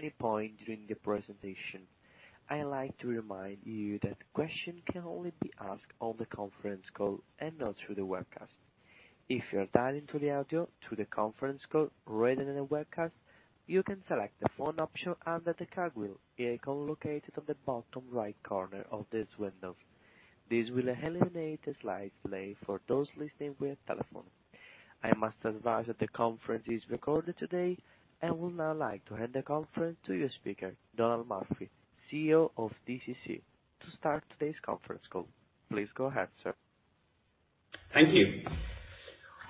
At any point during the presentation, I'd like to remind you that questions can only be asked on the conference call and not through the webcast. If you're dialing to the audio through the conference call rather than the webcast, you can select the phone option under the cogwheel icon located on the bottom right corner of this window. This will eliminate the slide play for those listening with telephone. I must advise that the conference is recorded today and would now like to hand the conference to your speaker, Donal Murphy, CEO of DCC. To start today's conference call, please go ahead, sir. Thank you.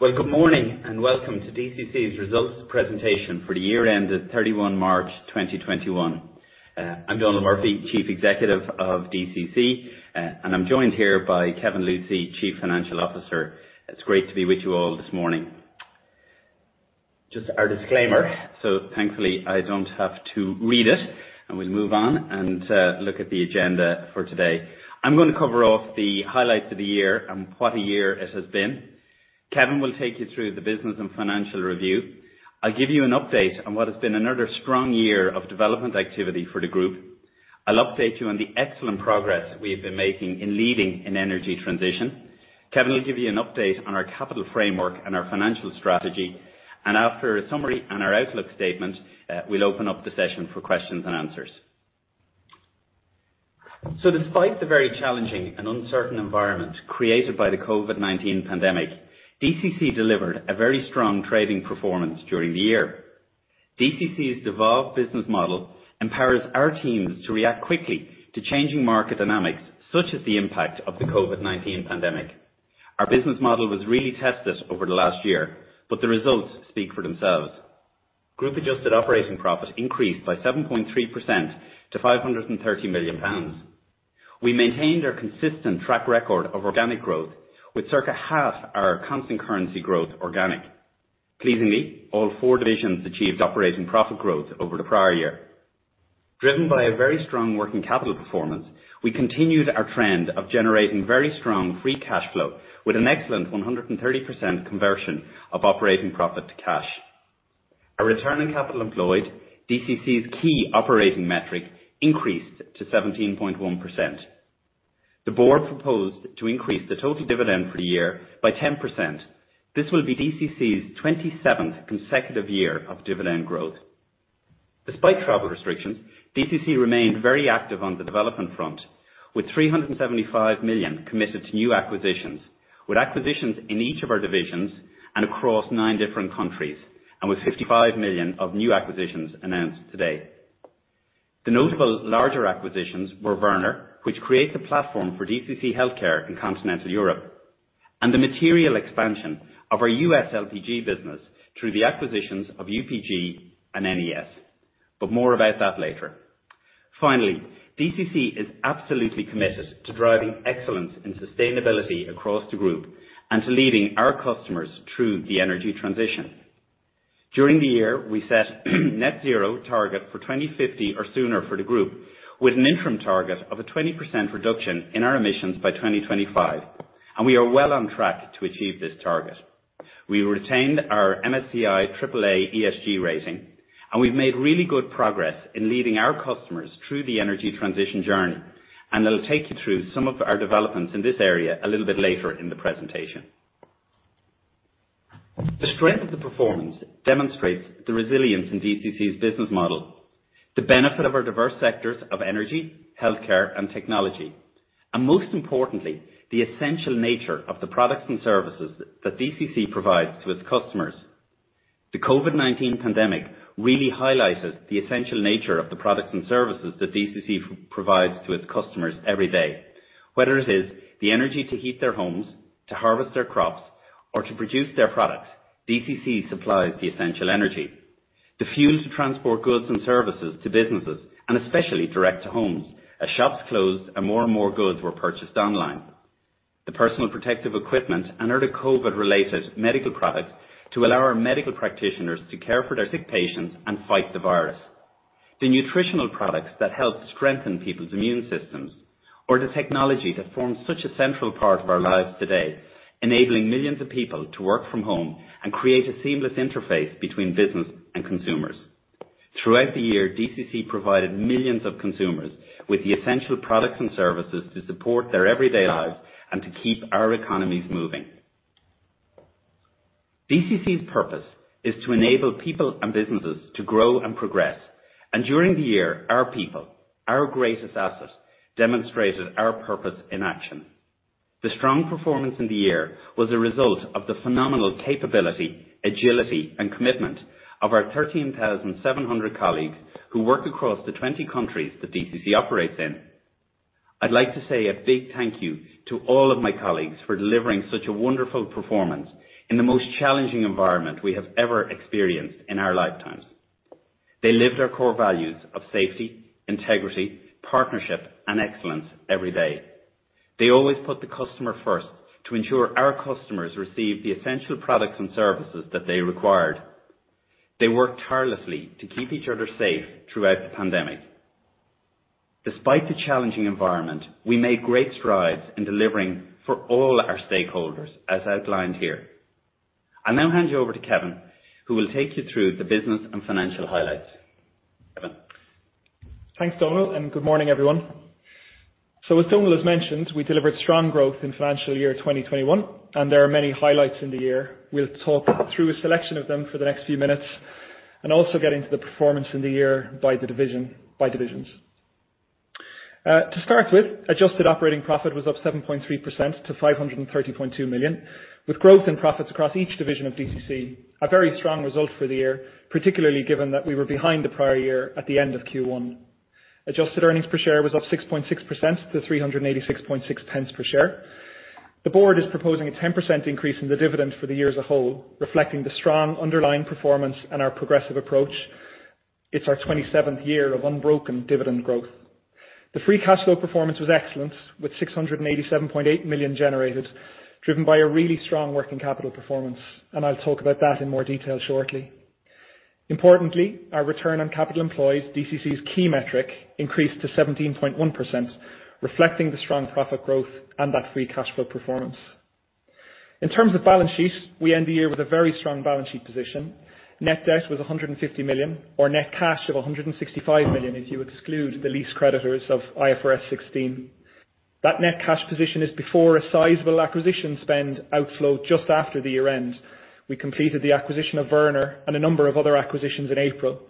Well, good morning and welcome to DCC's results presentation for the year end of 31 March 2021. I'm Donal Murphy, Chief Executive of DCC, and I'm joined here by Kevin Lucey, Chief Financial Officer. It's great to be with you all this morning. Just our disclaimer, so thankfully I don't have to read it, and we'll move on and look at the agenda for today. I'm going to cover off the highlights of the year and what a year it has been. Kevin will take you through the business and financial review. I'll give you an update on what has been another strong year of development activity for the group. I'll update you on the excellent progress we've been making in leading in energy transition. Kevin will give you an update on our capital framework and our financial strategy. After a summary on our outlook statement, we'll open up the session for questions and answers. Despite the very challenging and uncertain environment created by the COVID-19 pandemic, DCC delivered a very strong trading performance during the year. DCC's devolved business model empowers our teams to react quickly to changing market dynamics, such as the impact of the COVID-19 pandemic. Our business model was really tested over the last year. The results speak for themselves. Group adjusted operating profit increased by 7.3% to 530 million pounds. We maintained our consistent track record of organic growth with circa half our constant currency growth organic. Pleasingly, all four divisions achieved operating profit growth over the prior year. Driven by a very strong working capital performance, we continued our trend of generating very strong free cash flow with an excellent 130% conversion of operating profit to cash. Our return on capital employed, DCC's key operating metric, increased to 17.1%. The board proposed to increase the total dividend per year by 10%. This will be DCC's 27th consecutive year of dividend growth. Despite travel restrictions, DCC remained very active on the development front with 375 million committed to new acquisitions, with acquisitions in each of our divisions and across nine different countries, and with 55 million of new acquisitions announced today. The notable larger acquisitions were Wörner, which creates a platform for DCC Healthcare in continental Europe, and the material expansion of our U.S. LPG business through the acquisitions of UPG and NES. More about that later. DCC is absolutely committed to driving excellence in sustainability across the group and to leading our customers through the energy transition. During the year, we set net zero target for 2050 or sooner for the group with an interim target of a 20% reduction in our emissions by 2025. We are well on track to achieve this target. We retained our MSCI AAA ESG rating. We've made really good progress in leading our customers through the energy transition journey. I'll take you through some of our developments in this area a little bit later in the presentation. The strength of the performance demonstrates the resilience in DCC's business model, the benefit of our diverse sectors of energy, healthcare, and technology. Most importantly, the essential nature of the products and services that DCC provides to its customers. The COVID-19 pandemic really highlighted the essential nature of the products and services that DCC provides to its customers every day. Whether it is the energy to heat their homes, to harvest their crops, or to produce their products, DCC supplies the essential energy. The fuels transport goods and services to businesses and especially direct to homes, as shops closed and more and more goods were purchased online. The personal protective equipment and other COVID-related medical products to allow our medical practitioners to care for their sick patients and fight the virus. The nutritional products that help strengthen people's immune systems or the technology that forms such a central part of our lives today, enabling millions of people to work from home and create a seamless interface between business and consumers. Throughout the year, DCC provided millions of consumers with the essential products and services to support their everyday lives and to keep our economies moving. DCC's purpose is to enable people and businesses to grow and progress. During the year, our people, our greatest asset, demonstrated our purpose in action. The strong performance in the year was a result of the phenomenal capability, agility, and commitment of our 13,700 colleagues who work across the 20 countries that DCC operates in. I'd like to say a big thank you to all of my colleagues for delivering such a wonderful performance in the most challenging environment we have ever experienced in our lifetimes. They live their core values of safety, integrity, partnership, and excellence every day. They always put the customer first to ensure our customers receive the essential product and services that they required. They work tirelessly to keep each other safe throughout the pandemic. Despite the challenging environment, we made great strides in delivering for all our stakeholders, as outlined here. I'll now hand you over to Kevin, who will take you through the business and financial highlights. Kevin. Thanks, Donal. Good morning, everyone. As Donal has mentioned, we delivered strong growth in financial year 2021. There are many highlights in the year. We will talk through a selection of them for the next few minutes and also get into the performance in the year by divisions. To start with, adjusted operating profit was up 7.3% to 530.2 million, with growth in profits across each division of DCC. A very strong result for the year, particularly given that we were behind the prior year at the end of Q1. Adjusted earnings per share was up 6.6% to 3.866 per share. The board is proposing a 10% increase in the dividend for the year as a whole, reflecting the strong underlying performance and our progressive approach. It is our 27th year of unbroken dividend growth. The free cash flow performance was excellent, with 687.8 million generated, driven by a really strong working capital performance. I'll talk about that in more detail shortly. Importantly, our return on capital employed, DCC's key metric, increased to 17.1%, reflecting the strong profit growth and that free cash flow performance. In terms of balance sheet, we end the year with a very strong balance sheet position. Net debt was 150 million, or net cash of 165 million if you exclude the lease creditors of IFRS 16. That net cash position is before a sizable acquisition spend outflow just after the year end. We completed the acquisition of Wörner and a number of other acquisitions in April.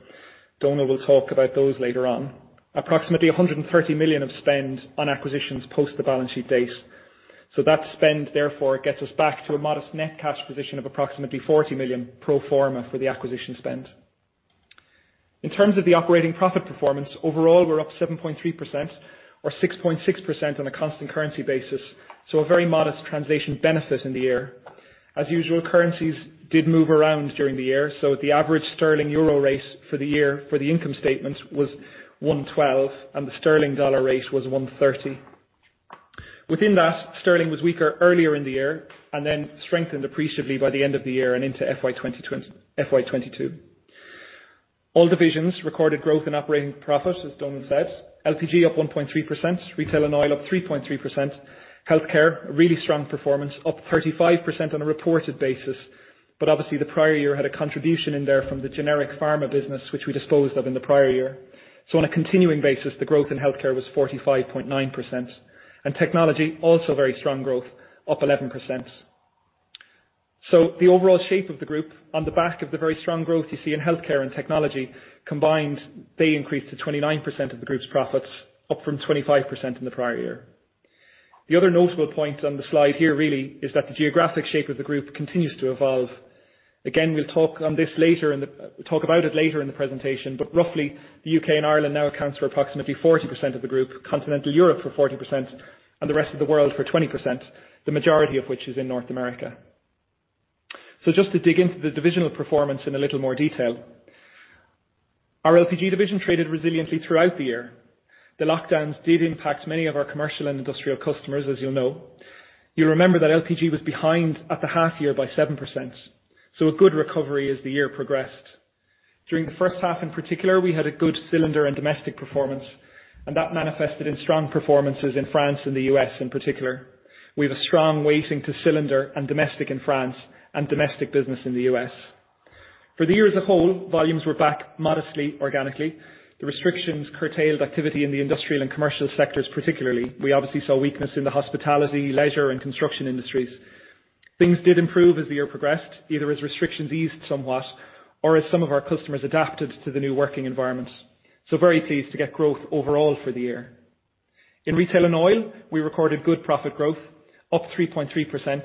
Donal will talk about those later on. Approximately 130 million of spend on acquisitions post the balance sheet date. That spend therefore gets us back to a modest net cash position of approximately 40 million pro forma for the acquisition spend. In terms of the operating profit performance, overall, we're up 7.3% or 6.6% on a constant currency basis, so a very modest translation benefit in the year. As usual, currencies did move around during the year, so the average sterling-euro rate for the year for the income statement was 112, and the sterling-dollar rate was 130. Within that, sterling was weaker earlier in the year and then strengthened appreciably by the end of the year and into FY 2022. All divisions recorded growth in operating profit, as Donal said. LPG up 1.3%, Retail and Oil up 3.3%. Healthcare, a really strong performance, up 35% on a reported basis, but obviously the prior year had a contribution in there from the generic pharma business, which we disposed of in the prior year. On a continuing basis, the growth in Healthcare was 45.9%. Technology, also very strong growth, up 11%. The overall shape of the group on the back of the very strong growth you see in Healthcare and Technology, combined, they increased to 29% of the group's profits, up from 25% in the prior year. The other notable point on the slide here really is that the geographic shape of the group continues to evolve. Again, we'll talk about it later in the presentation, but roughly the U.K. and Ireland now account for approximately 40% of the group, continental Europe for 40%, and the rest of the world for 20%, the majority of which is in North America. Just to dig into the divisional performance in a little more detail. Our LPG division traded resiliently throughout the year. The lockdowns did impact many of our commercial and industrial customers, as you'll know. You'll remember that LPG was behind at the half year by 7%, so a good recovery as the year progressed. During the H1 in particular, we had a good cylinder and domestic performance, and that manifested in strong performances in France and the U.S. in particular, with a strong weighting to cylinder and domestic in France and domestic business in the U.S. For the year as a whole, volumes were back modestly organically. The restrictions curtailed activity in the industrial and commercial sectors, particularly. We obviously saw weakness in the hospitality, leisure, and construction industries. Things did improve as the year progressed, either as restrictions eased somewhat or as some of our customers adapted to the new working environments. Very pleased to get growth overall for the year. In Retail and Oil, we recorded good profit growth, up 3.3%,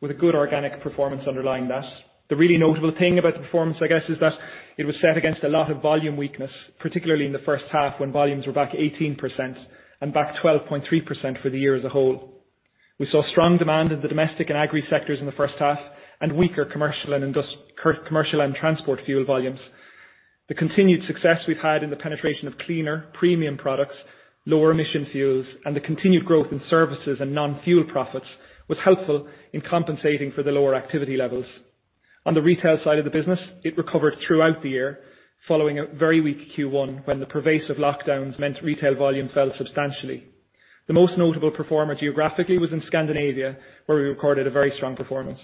with a good organic performance underlying that. The really notable thing about performance, I guess, is that it was set against a lot of volume weakness, particularly in the H1 when volumes were back 18% and back 12.3% for the year as a whole. We saw strong demand in the domestic and agri sectors in the H1 and weaker commercial and transport fuel volumes. The continued success we've had in the penetration of cleaner, premium products, lower emission fuels, and the continued growth in services and non-fuel profits was helpful in compensating for the lower activity levels. On the retail side of the business, it recovered throughout the year, following a very weak Q1 when the pervasive lockdowns meant retail volumes fell substantially. The most notable performer geographically was in Scandinavia, where we recorded a very strong performance.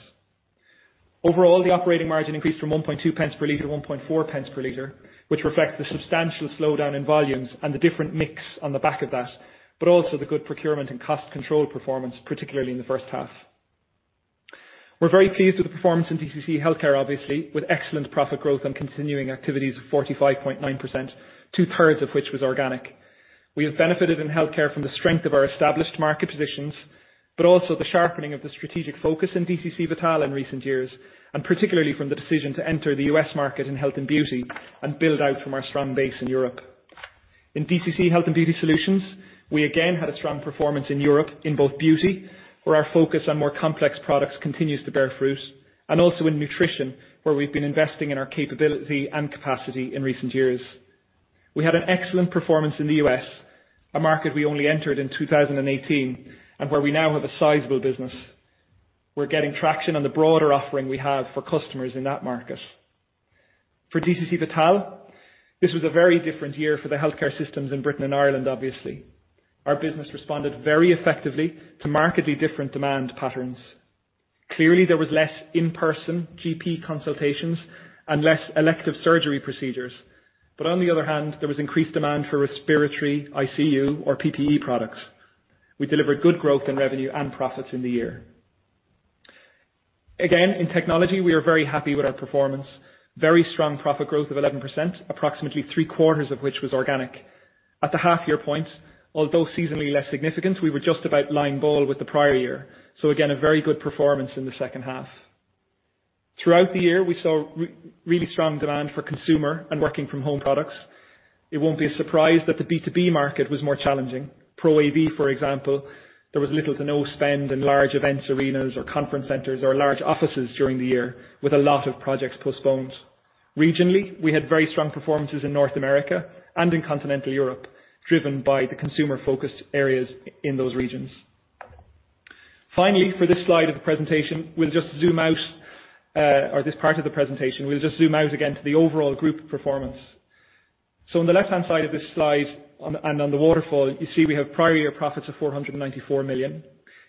Overall, the operating margin increased from 0.012 per liter to 0.014 per liter, which reflects the substantial slowdown in volumes and the different mix on the back of that, but also the good procurement and cost control performance, particularly in the H1. We're very pleased with the performance in DCC Healthcare, obviously, with excellent profit growth on continuing activities of 45.9%, two-thirds of which was organic. We have benefited in healthcare from the strength of our established market positions, but also the sharpening of the strategic focus in DCC Vital in recent years, and particularly from the decision to enter the U.S. market in health and beauty and build out from our strong base in Europe. In DCC Health & Beauty Solutions, we again had a strong performance in Europe in both beauty, where our focus on more complex products continues to bear fruit, and also in nutrition, where we've been investing in our capability and capacity in recent years. We had an excellent performance in the U.S., a market we only entered in 2018 and where we now have a sizable business. We're getting traction on the broader offering we have for customers in that market. For DCC Vital, this was a very different year for the healthcare systems in Britain and Ireland, obviously. Our business responded very effectively to markedly different demand patterns. Clearly, there was less in-person GP consultations and less elective surgery procedures. On the other hand, there was increased demand for respiratory ICU or PPE products. We delivered good growth in revenue and profits in the year. Again, in technology, we are very happy with our performance. Very strong profit growth of 11%, approximately three-quarters of which was organic. At the half-year point, although seasonally less significant, we were just about lineball with the prior year. Again, a very good performance in the H2. Throughout the year, we saw really strong demand for consumer and working from home products. It won't be a surprise that the B2B market was more challenging. Pro AV, for example, there was little to no spend in large events arenas or conference centers or large offices during the year, with a lot of projects postponed. Regionally, we had very strong performances in North America and in Continental Europe, driven by the consumer-focused areas in those regions. Finally, for this slide of the presentation, or this part of the presentation, we'll just zoom out again to the overall group performance. On the left-hand side of this slide and on the waterfall, you see we have prior year profits of 494 million.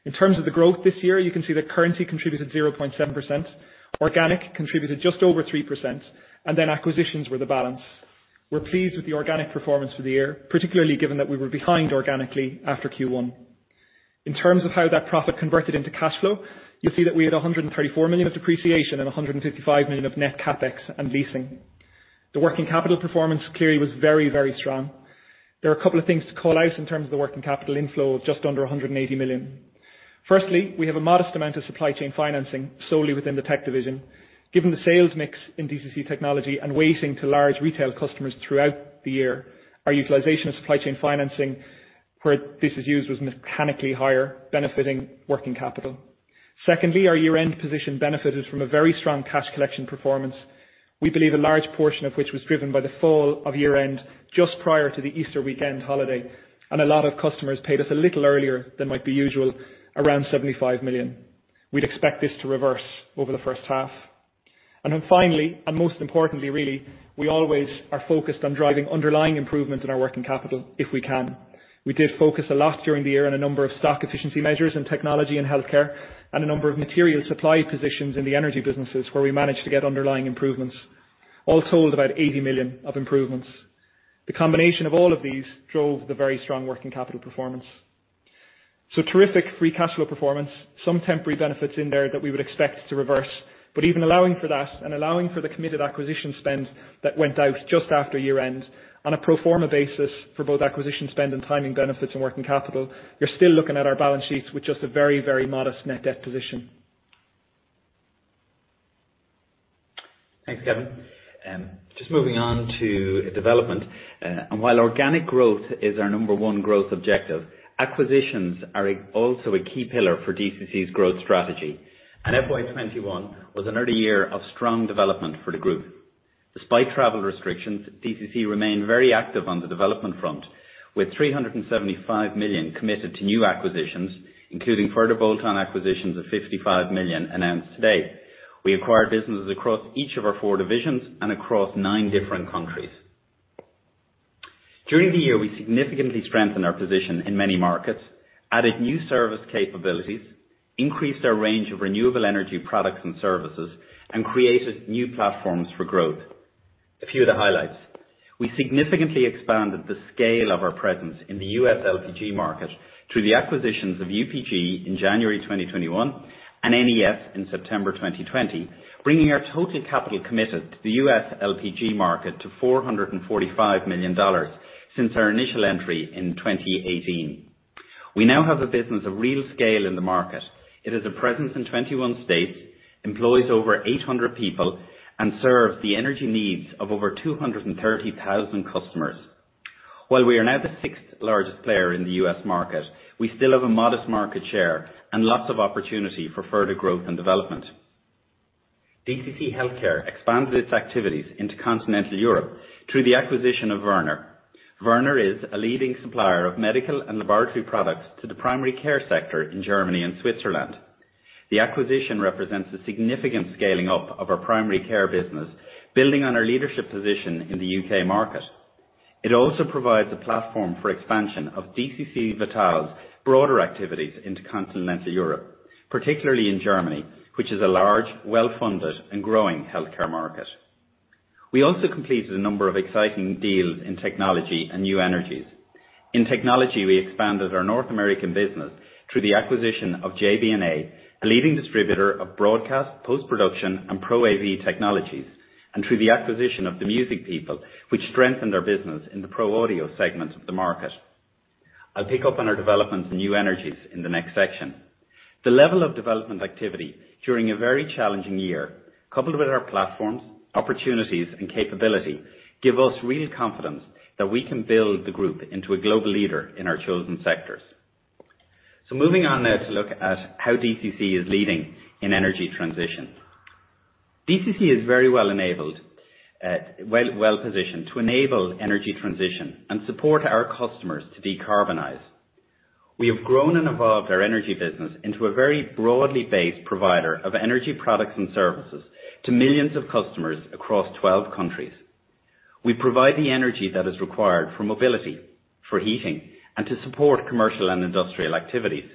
In terms of the growth this year, you can see that currency contributed 0.7%, organic contributed just over 3%, and then acquisitions were the balance. We're pleased with the organic performance for the year, particularly given that we were behind organically after Q1. In terms of how that profit converted into cash flow, you'll see that we had 134 million of depreciation and 165 million of net CapEx and leasing. The working capital performance clearly was very, very strong. There are a couple of things to call out in terms of working capital inflow of just under 180 million. Firstly, we have a modest amount of supply chain financing solely within the tech division. Given the sales mix in DCC Technology and weighting to large retail customers throughout the year, our utilization of supply chain financing where this is used was mechanically higher, benefiting working capital. Secondly, our year-end position benefited from a very strong cash collection performance. We believe a large portion of which was driven by the fall of year-end just prior to the Easter weekend holiday, and a lot of customers paid us a little earlier than might be usual, around 75 million. We'd expect this to reverse over the H1. Finally, and most importantly really, we always are focused on driving underlying improvements in our working capital if we can. We did focus a lot during the year on a number of stock efficiency measures in technology and healthcare and a number of material supply positions in the energy businesses where we managed to get underlying improvements. All told, about 80 million of improvements. The combination of all of these drove the very strong working capital performance. Terrific free cash flow performance, some temporary benefits in there that we would expect to reverse. Even allowing for that and allowing for the committed acquisition spend that went out just after year-end, on a pro forma basis for both acquisition spend and timing benefits and working capital, you're still looking at our balance sheets with just a very, very modest net debt position. Thanks, Kevin. Just moving on to development. While organic growth is our number one growth objective, acquisitions are also a key pillar for DCC's growth strategy. FY 2021 was another year of strong development for the group. Despite travel restrictions, DCC remained very active on the development front, with 375 million committed to new acquisitions, including further bolt-on acquisitions of 55 million announced today. We acquired businesses across each of our four divisions and across nine different countries. During the year, we significantly strengthened our position in many markets, added new service capabilities, increased our range of renewable energy products and services, and created new platforms for growth. A few of the highlights. We significantly expanded the scale of our presence in the U.S. LPG market through the acquisitions of UPG in January 2021 and NES in September 2020, bringing our total capital committed to the U.S. LPG market to $445 million since our initial entry in 2018. We now have a business of real scale in the market. It has a presence in 21 states, employs over 800 people, and serves the energy needs of over 230,000 customers. While we are now the sixth-largest player in the U.S. market, we still have a modest market share and lots of opportunity for further growth and development. DCC Healthcare expanded its activities into Continental Europe through the acquisition of Wörner. Wörner is a leading supplier of medical and laboratory products to the primary care sector in Germany and Switzerland. The acquisition represents a significant scaling up of our primary care business, building on our leadership position in the U.K. market. It also provides a platform for expansion of DCC Vital's broader activities into Continental Europe, particularly in Germany, which is a large, well-funded, and growing healthcare market. We also completed a number of exciting deals in technology and new energies. In technology, we expanded our North American business through the acquisition of JB&A, a leading distributor of broadcast, post-production, and Pro AV technologies, and through the acquisition of The Music People, which strengthened our business in the pro audio segment of the market. I'll pick up on our developments in new energies in the next section. The level of development activity during a very challenging year, coupled with our platforms, opportunities, and capability, give us real confidence that we can build the group into a global leader in our chosen sectors. Moving on now to look at how DCC is leading in energy transition. DCC is very well-positioned to enable energy transition and support our customers to decarbonize. We have grown and evolved our energy business into a very broadly based provider of energy products and services to millions of customers across 12 countries. We provide the energy that is required for mobility, for heating, and to support commercial and industrial activities.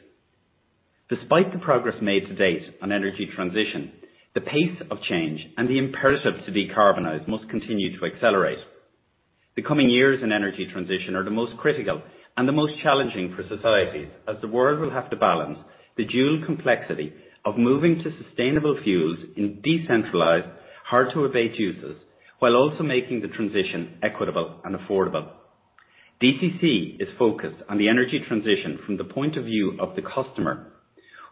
Despite the progress made to date on energy transition, the pace of change and the imperative to decarbonize must continue to accelerate. The coming years in energy transition are the most critical and the most challenging for societies, as the world will have to balance the dual complexity of moving to sustainable fuels in decentralized, hard to abate uses, while also making the transition equitable and affordable. DCC is focused on the energy transition from the point of view of the customer.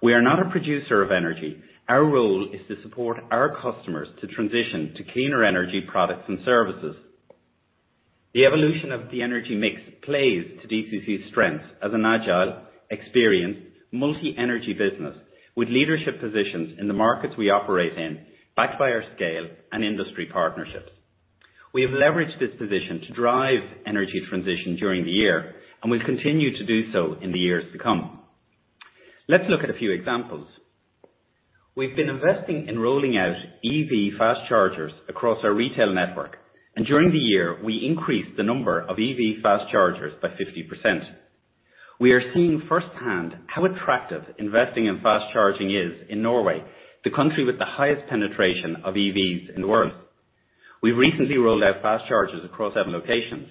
We are not a producer of energy. Our role is to support our customers to transition to cleaner energy products and services. The evolution of the energy mix plays to DCC's strengths as an agile, experienced, multi-energy business with leadership positions in the markets we operate in, backed by our scale and industry partnerships. We have leveraged this position to drive energy transition during the year, and will continue to do so in the years to come. Let's look at a few examples. We've been investing in rolling out EV fast chargers across our retail network, and during the year, we increased the number of EV fast chargers by 50%. We are seeing firsthand how attractive investing in fast charging is in Norway, the country with the highest penetration of EVs in the world. We recently rolled out fast chargers across seven locations.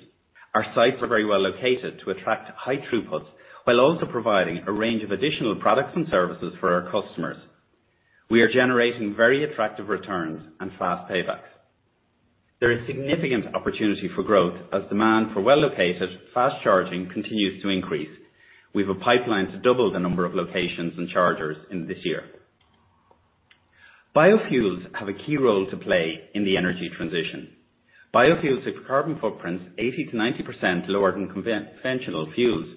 Our sites are very well located to attract high throughput, while also providing a range of additional products and services for our customers. We are generating very attractive returns and fast payback. There is significant opportunity for growth as demand for well-located fast charging continues to increase. We have a pipeline to double the number of locations and chargers in this year. Biofuels have a key role to play in the energy transition. Biofuels have carbon footprints 80%-90% lower than conventional fuels.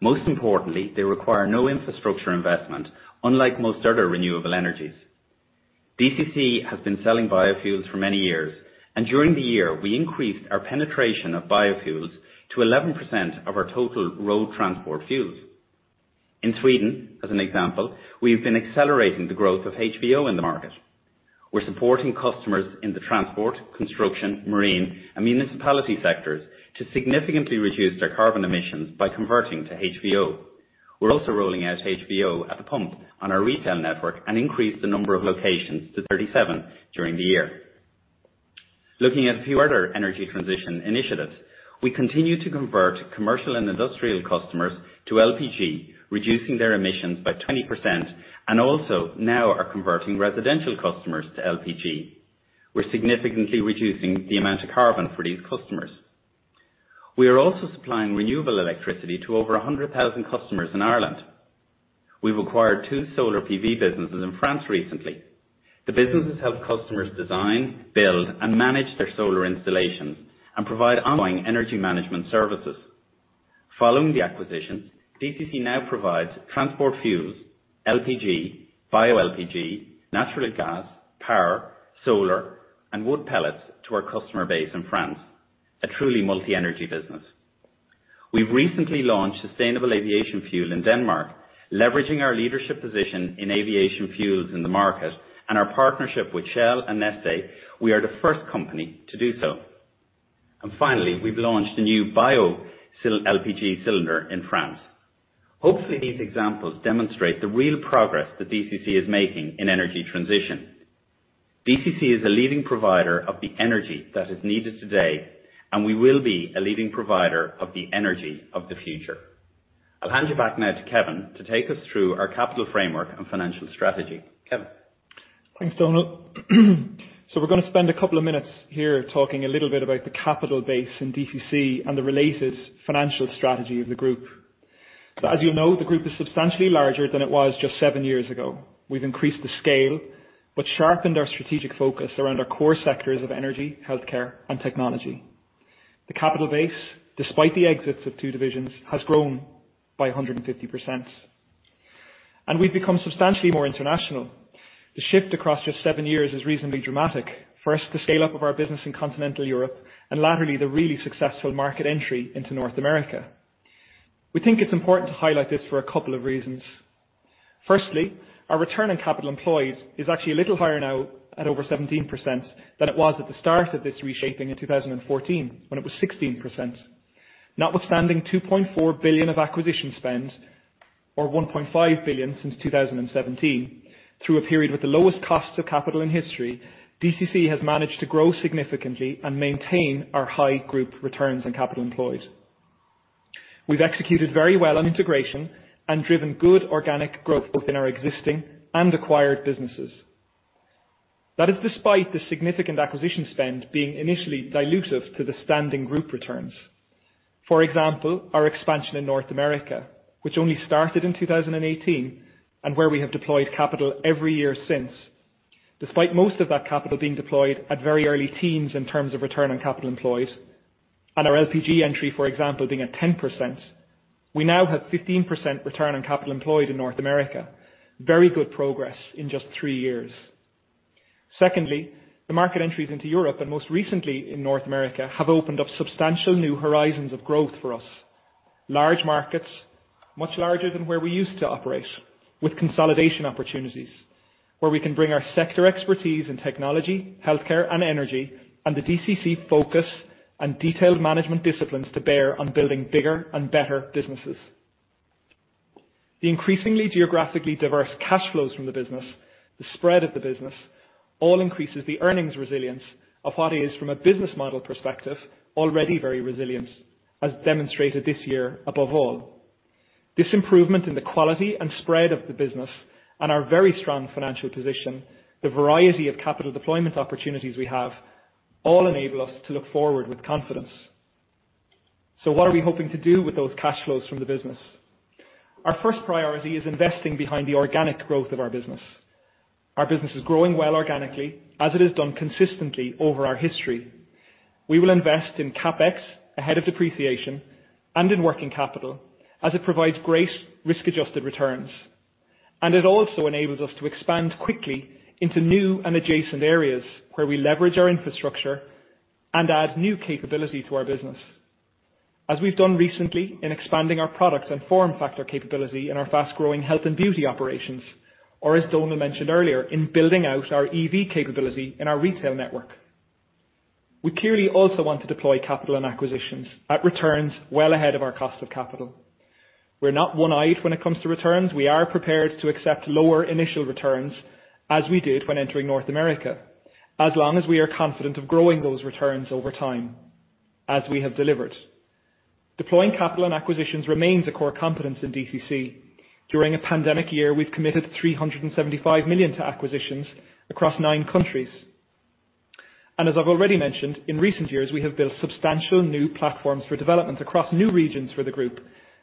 Most importantly, they require no infrastructure investment, unlike most other renewable energies. DCC has been selling biofuels for many years, and during the year, we increased our penetration of biofuels to 11% of our total road transport fuels. In Sweden, as an example, we have been accelerating the growth of HVO in the market. We're supporting customers in the transport, construction, marine, and municipality sectors to significantly reduce their carbon emissions by converting to HVO. We're also rolling out HVO at the pump on our retail network and increased the number of locations to 37 during the year. Looking at a few other energy transition initiatives, we continue to convert commercial and industrial customers to LPG, reducing their emissions by 20%, and also now are converting residential customers to LPG. We're significantly reducing the amount of carbon for these customers. We are also supplying renewable electricity to over 100,000 customers in Ireland. We've acquired two solar PV businesses in France recently. The businesses help customers design, build and manage their solar installations and provide ongoing energy management services. Following the acquisitions, DCC now provides transport fuels, LPG, bioLPG, natural gas, power, solar, and wood pellets to our customer base in France. A truly multi-energy business. We've recently launched sustainable aviation fuel in Denmark, leveraging our leadership position in aviation fuels in the market and our partnership with Shell and Neste, we are the first company to do so. Finally, we've launched a new bioLPG cylinder in France. Hopefully, these examples demonstrate the real progress that DCC is making in energy transition. DCC is a leading provider of the energy that is needed today, and we will be a leading provider of the energy of the future. I'll hand you back now to Kevin to take us through our capital framework and financial strategy. Kevin. Thanks, Donal. We're going to spend a couple of minutes here talking a little bit about the capital base in DCC and the related financial strategy of the group. As you know, the group is substantially larger than it was just seven years ago. We've increased the scale but sharpened our strategic focus around our core sectors of energy, healthcare, and technology. The capital base, despite the exits of two divisions, has grown by 150%. We've become substantially more international. The shift across just seven years is reasonably dramatic. First, the scale-up of our business in continental Europe, and latterly, the really successful market entry into North America. We think it's important to highlight this for a couple of reasons. Firstly, our return on capital employed is actually a little higher now, at over 17%, than it was at the start of this reshaping in 2014 when it was 16%. Notwithstanding 2.4 billion of acquisition spend, or 1.5 billion since 2017, through a period with the lowest cost of capital in history, DCC has managed to grow significantly and maintain our high group returns on capital employed. We've executed very well on integration and driven good organic growth both in our existing and acquired businesses. That is despite the significant acquisition spend being initially dilutive to the standing group returns. For example, our expansion in North America, which only started in 2018, and where we have deployed capital every year since. Despite most of that capital being deployed at very early teens in terms of return on capital employed, and our LPG entry, for example, being at 10%, we now have 15% return on capital employed in North America. Very good progress in just three years. Secondly, the market entries into Europe and most recently in North America have opened up substantial new horizons of growth for us. Large markets, much larger than where we used to operate, with consolidation opportunities, where we can bring our sector expertise in technology, healthcare, and energy, and the DCC focus and detailed management disciplines to bear on building bigger and better businesses. The increasingly geographically diverse cash flows from the business, the spread of the business, all increases the earnings resilience of what is, from a business model perspective, already very resilient, as demonstrated this year above all. This improvement in the quality and spread of the business and our very strong financial position, the variety of capital deployment opportunities we have, all enable us to look forward with confidence. What are we hoping to do with those cash flows from the business? Our first priority is investing behind the organic growth of our business. Our business is growing well organically, as it has done consistently over our history. We will invest in CapEx ahead of depreciation and in working capital as it provides great risk-adjusted returns. It also enables us to expand quickly into new and adjacent areas where we leverage our infrastructure and add new capability to our business. As we've done recently in expanding our products and form factor capability in our fast-growing health and beauty operations, or as Donal mentioned earlier, in building out our EV capability in our retail network. We clearly also want to deploy capital and acquisitions at returns well ahead of our cost of capital. We're not one-eyed when it comes to returns. We are prepared to accept lower initial returns, as we did when entering North America, as long as we are confident of growing those returns over time, as we have delivered. Deploying capital and acquisitions remains a core competence in DCC. During a pandemic year, we committed 375 million to acquisitions across nine countries. As I've already mentioned, in recent years, we have built substantial new platforms for development across new regions for the group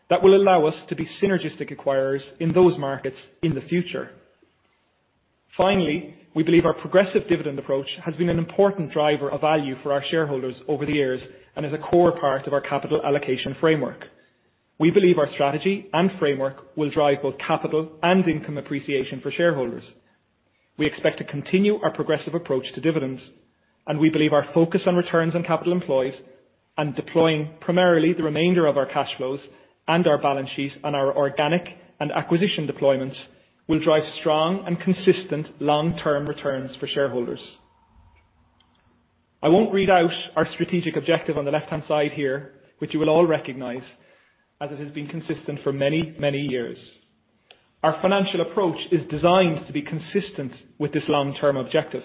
that will allow us to be synergistic acquirers in those markets in the future. Finally, we believe our progressive dividend approach has been an important driver of value for our shareholders over the years and is a core part of our capital allocation framework. We believe our strategy and framework will drive both capital and income appreciation for shareholders. We expect to continue our progressive approach to dividends, and we believe our focus on returns on capital employed and deploying primarily the remainder of our cash flows and our balance sheet and our organic and acquisition deployments will drive strong and consistent long-term returns for shareholders. I won't read out our strategic objective on the left-hand side here, which you will all recognize, as it has been consistent for many years. Our financial approach is designed to be consistent with this long-term objective.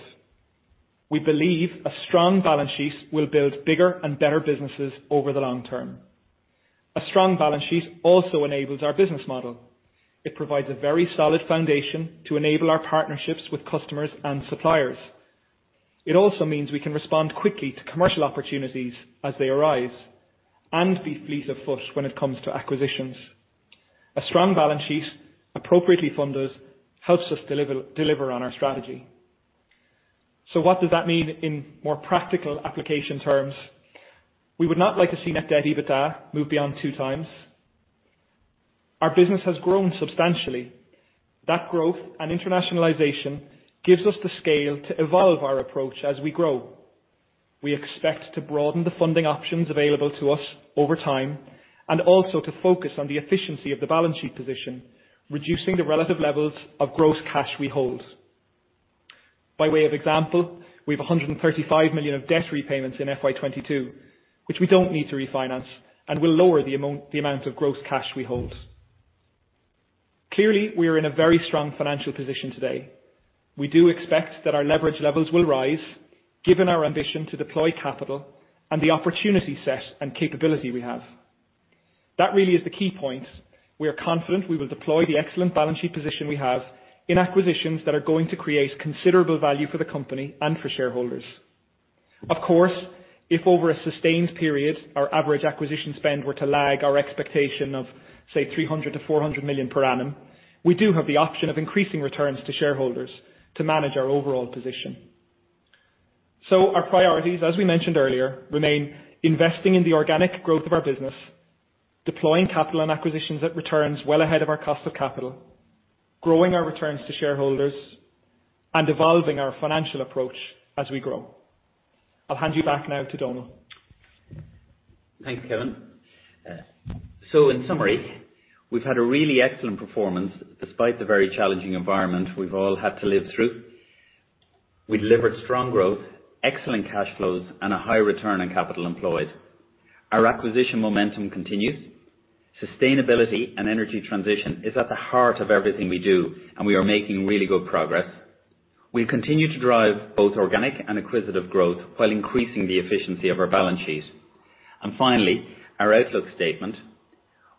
We believe a strong balance sheet will build bigger and better businesses over the long term. A strong balance sheet also enables our business model. It provides a very solid foundation to enable our partnerships with customers and suppliers. It also means we can respond quickly to commercial opportunities as they arise and be fleet of foot when it comes to acquisitions. A strong balance sheet, appropriately funded, helps us deliver on our strategy. What does that mean in more practical application terms? We would not like to see net debt EBITDA move beyond 2x. Our business has grown substantially. That growth and internationalization gives us the scale to evolve our approach as we grow. We expect to broaden the funding options available to us over time and also to focus on the efficiency of the balance sheet position, reducing the relative levels of gross cash we hold. By way of example, we have 135 million of debt repayments in FY 2022, which we don't need to refinance and will lower the amount of gross cash we hold. Clearly, we are in a very strong financial position today. We do expect that our leverage levels will rise given our ambition to deploy capital and the opportunity set and capability we have. That really is the key point. We are confident we will deploy the excellent balance sheet position we have in acquisitions that are going to create considerable value for the company and for shareholders. Of course, if over a sustained period, our average acquisition spend were to lag our expectation of, say, 300 million-400 million per annum, we do have the option of increasing returns to shareholders to manage our overall position. Our priorities, as we mentioned earlier, remain investing in the organic growth of our business, deploying capital and acquisitions at returns well ahead of our cost of capital, growing our returns to shareholders, and evolving our financial approach as we grow. I'll hand you back now to Donal. Thanks, Kevin. In summary, we've had a really excellent performance despite the very challenging environment we've all had to live through. We delivered strong growth, excellent cash flows, and a high return on capital employed. Our acquisition momentum continues. Sustainability and energy transition is at the heart of everything we do, and we are making really good progress. We'll continue to drive both organic and acquisitive growth while increasing the efficiency of our balance sheet. Finally, our outlook statement.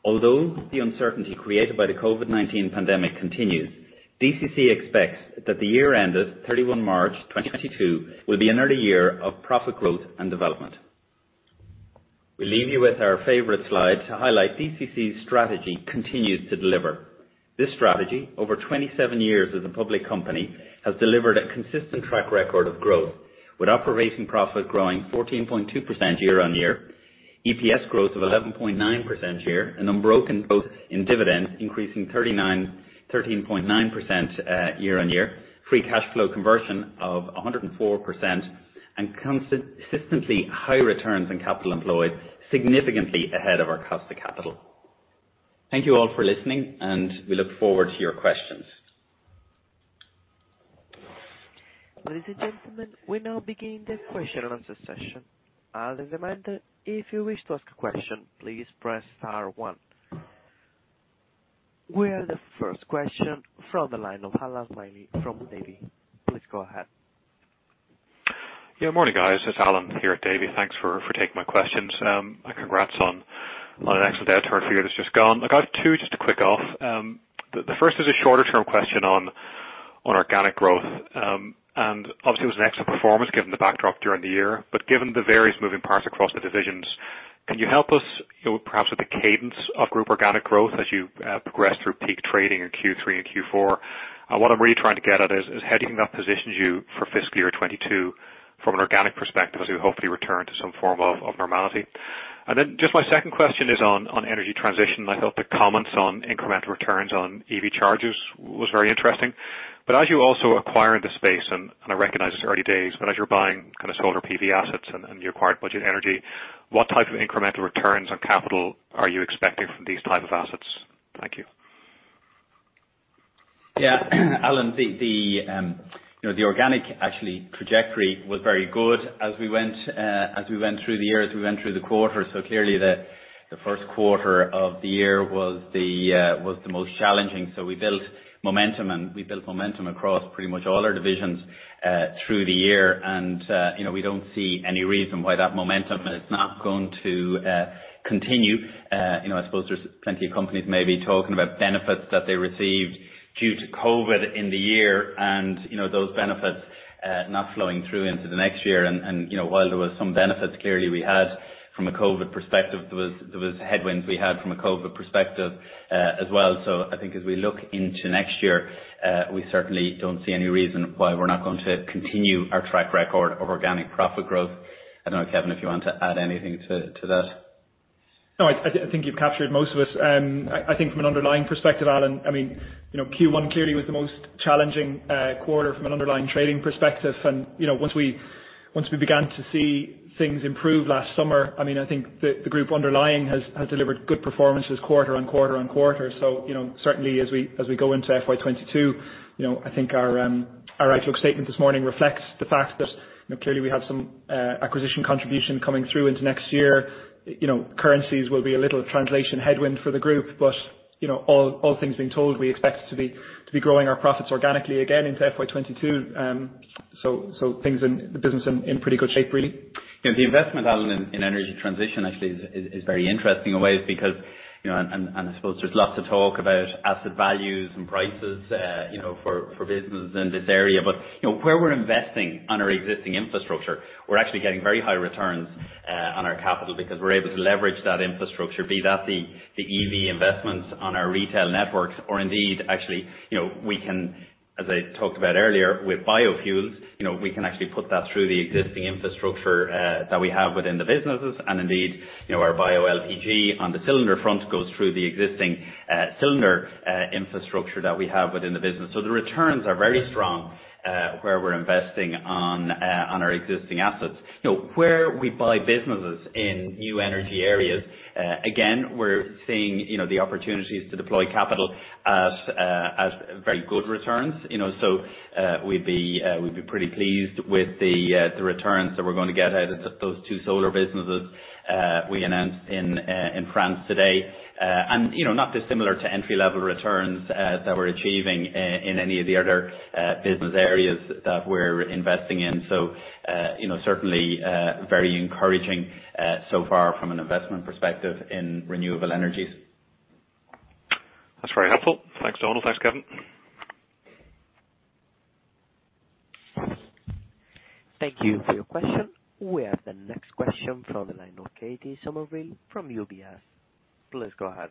Although the uncertainty created by the COVID-19 pandemic continues, DCC expects that the year ended 31 March 2022 will be another year of profit growth and development. We leave you with our favorite slide to highlight DCC's strategy continues to deliver. This strategy, over 27 years as a public company, has delivered a consistent track record of growth, with operating profit growing 14.2% year-on-year, EPS growth of 11.9% year-on-year, an unbroken growth in dividends increasing 13.9% year-on-year, free cash flow conversion of 104%, and consistently high returns on capital employed, significantly ahead of our cost of capital. Thank you all for listening, and we look forward to your questions. Ladies and gentlemen, we now begin the question and answer session. As a reminder, if you wish to ask a question, please press star one. We have the first question from the line of Alan Bainie from Davy. Please go ahead. Morning, guys. It's Alan here at Davy. Thanks for taking my questions. My congrats on an excellent head start for a year that's just gone. I got two just to kick off. The first is a shorter-term question on organic growth. Obviously it was an excellent performance given the backdrop during the year. Given the various moving parts across the divisions, can you help us perhaps with the cadence of group organic growth as you progress through peak trading in Q3 and Q4? What I'm really trying to get at is how do you now position you for FY 2022 from an organic perspective as we hopefully return to some form of normality. Then just my second question is on energy transition. I thought the comments on incremental returns on EV charges was very interesting. As you also acquire the space, and I recognize it's early days, but as you're buying kind of solar PV assets and you acquired Budget Energy, what type of incremental returns on capital are you expecting from these type of assets? Thank you. Yeah, Alan, the organic actually trajectory was very good as we went through the year, as we went through the quarter. Clearly the Q1 of the year was the most challenging. We built momentum, and we built momentum across pretty much all our divisions, through the year. We don't see any reason why that momentum is not going to continue. I suppose there's plenty of companies may be talking about benefits that they received due to COVID in the year and those benefits not flowing through into the next year. While there was some benefits clearly we had from a COVID perspective, there was headwinds we had from a COVID perspective as well. I think as we look into next year, we certainly don't see any reason why we're not going to continue our track record of organic profit growth. I don't know, Kevin, if you want to add anything to that? No, I think you captured most of it. I think from an underlying perspective, Alan, Q1 clearly was the most challenging quarter from an underlying trading perspective. Once we began to see things improve last summer, I think the group underlying has delivered good performances quarter on quarter on quarter. Certainly as we go into FY 2022, I think our outlook statement this morning reflects the fact that clearly we have some acquisition contribution coming through into next year. Currencies will be a little translation headwind for the group. All things being told, we expect to be growing our profits organically again into FY 2022. The business is in pretty good shape really. The investment, Alan, in energy transition actually is very interesting in ways because, I suppose there's lots of talk about asset values and prices for businesses in this area. Where we're investing on our existing infrastructure, we're actually getting very high returns on our capital because we're able to leverage that infrastructure, be that the EV investments on our retail networks or indeed, actually, we can, as I talked about earlier with biofuels, we can actually put that through the existing infrastructure that we have within the businesses. Indeed, our bioLPG on the cylinder front goes through the existing cylinder infrastructure that we have within the business. The returns are very strong, where we're investing on our existing assets. Where we buy businesses in new energy areas, again, we're seeing the opportunities to deploy capital at very good returns. We'd be pretty pleased with the returns that we're going to get out of those two solar businesses we announced in France today. Not dissimilar to entry-level returns that we're achieving in any of the other business areas that we're investing in. Certainly very encouraging so far from an investment perspective in renewable energies. That's very helpful. Thanks, Donal. Thanks, Kevin. Thank you for your question. We have the next question from the line of Kate Somerville from UBS. Please go ahead.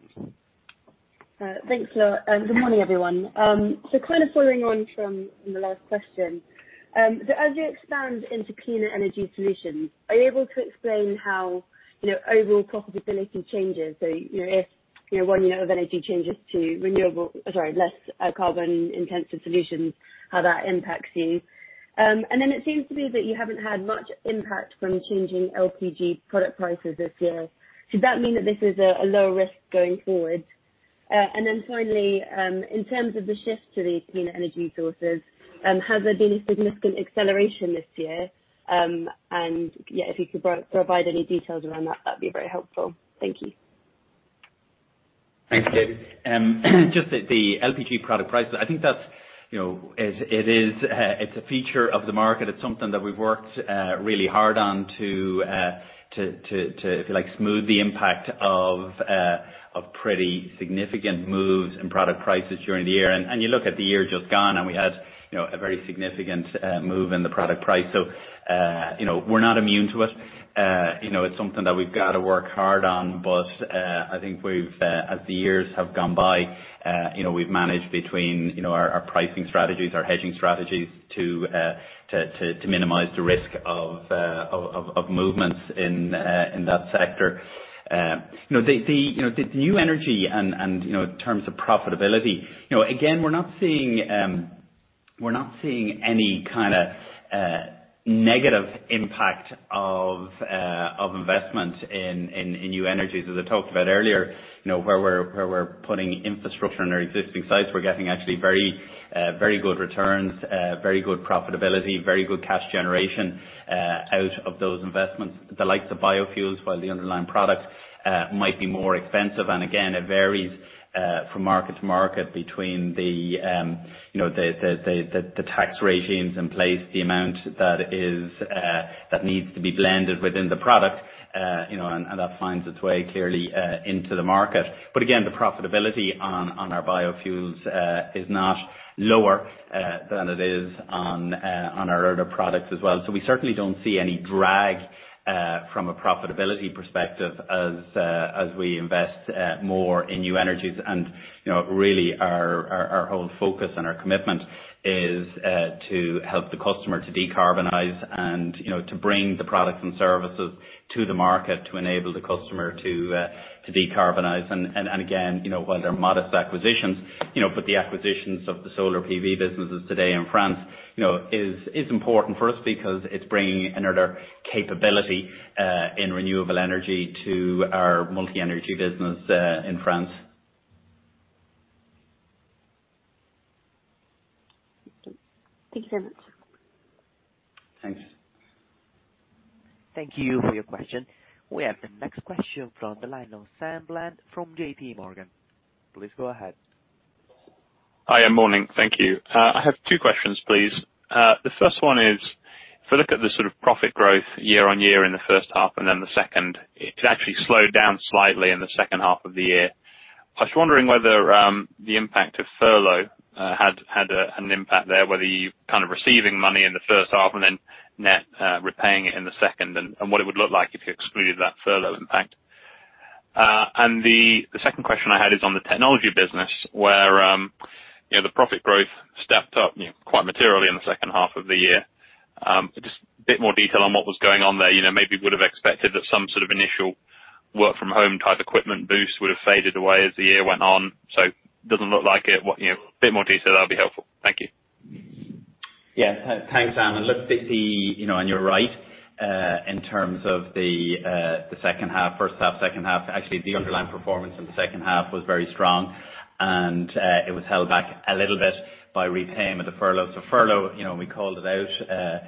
Thanks. Good morning, everyone. Kind of following on from the last question. As you expand into cleaner energy solutions, are you able to explain how overall profitability changes? If your running of energy changes to renewable, sorry, less carbon-intensive solutions, how that impacts you. It seems to be that you haven't had much impact from changing LPG product prices this year. Does that mean that this is a lower risk going forward? Finally, in terms of the shift to the clean energy sources, has there been any significant acceleration this year? If you could provide any details around that'd be very helpful. Thank you. Thanks, Kate. Just the LPG product price. I think that it's a feature of the market. It's something that we've worked really hard on to smooth the impact of pretty significant moves in product prices during the year. You look at the year just gone, and we had a very significant move in the product price. We're not immune to it. It's something that we've got to work hard on, but I think as the years have gone by, we've managed between our pricing strategies, our hedging strategies to minimize the risk of movements in that sector. The new energy in terms of profitability, again, we're not seeing any kind of negative impact of investment in new energy. As I talked about earlier, where we're putting infrastructure in our existing sites, we're getting actually very good returns, very good profitability, very good cash generation out of those investments. The likes of biofuels, while the underlying product might be more expensive, and again, it varies from market to market between the tax regimes in place, the amount that needs to be blended within the product, and that finds its way clearly into the market. Again, the profitability on our biofuels is not lower than it is on our other products as well. We certainly don't see any drag from a profitability perspective as we invest more in new energies. Really our whole focus and our commitment is to help the customer to decarbonize and to bring the products and services to the market to enable the customer to decarbonize. Again, while they're modest acquisitions, but the acquisitions of the solar PV businesses today in France is important for us because it's bringing another capability in renewable energy to our multi-energy business in France. Thanks very much. Thank you. Thank you for your question. We have the next question from the line of Sam Bland from JPMorgan. Please go ahead. Hi, morning. Thank you. I have two questions, please. The first one is, if you look at the sort of profit growth year-over-year in the H1 and then H2, it actually slowed down slightly in the H2 of the year. I was wondering whether the impact of furlough had an impact there, whether you're kind of receiving money in the H1 and then net repaying it in H2, and what it would look like if you excluded that furlough impact. The second question I had is on the Technology Business where the profit growth stepped up quite materially in the H2 of the year. Just a bit more detail on what was going on there. Maybe would have expected that some sort of initial work from home type equipment boost would have faded away as the year went on. Doesn't look like it. A bit more detail, that'd be helpful. Thank you. Thanks, Sam. Look, you're right in terms of the H1, H2. Actually, the underlying performance in the H2 was very strong, and it was held back a little bit by repayment of furlough. Furlough, we called it out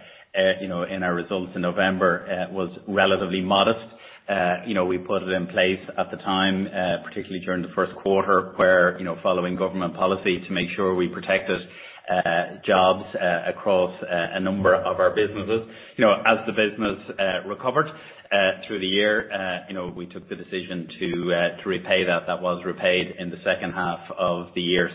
in our results in November, was relatively modest. We put it in place at the time, particularly during the Q1 where following government policy to make sure we protected jobs across a number of our businesses. As the business recovered through the year, we took the decision to repay that. That was repaid in the H2 of the year.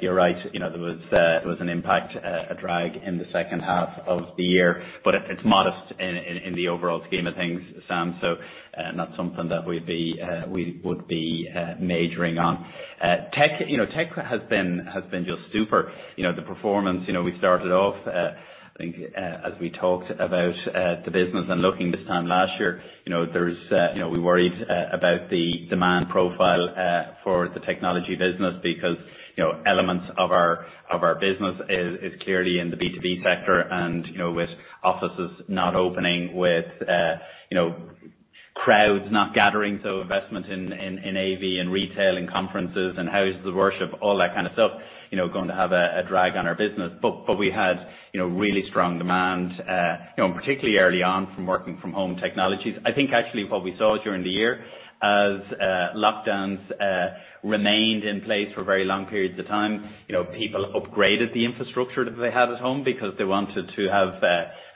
You're right, there was an impact, a drag in the H2 of the year, but it's modest in the overall scheme of things, Sam, so not something that we would be majoring on. Tech has been just super. The performance, we started off, I think as we talked about the business and looking this time last year, we worried about the demand profile for the technology business because elements of our business is clearly in the B2B sector and with offices not opening, with crowds not gathering. Investment in AV, in retail, in conferences and houses of worship, all that kind of stuff going to have a drag on our business. We had really strong demand, particularly early on from working from home technologies. I think actually what we saw during the year as lockdowns remained in place for very long periods of time, people upgraded the infrastructure that they had at home because they wanted to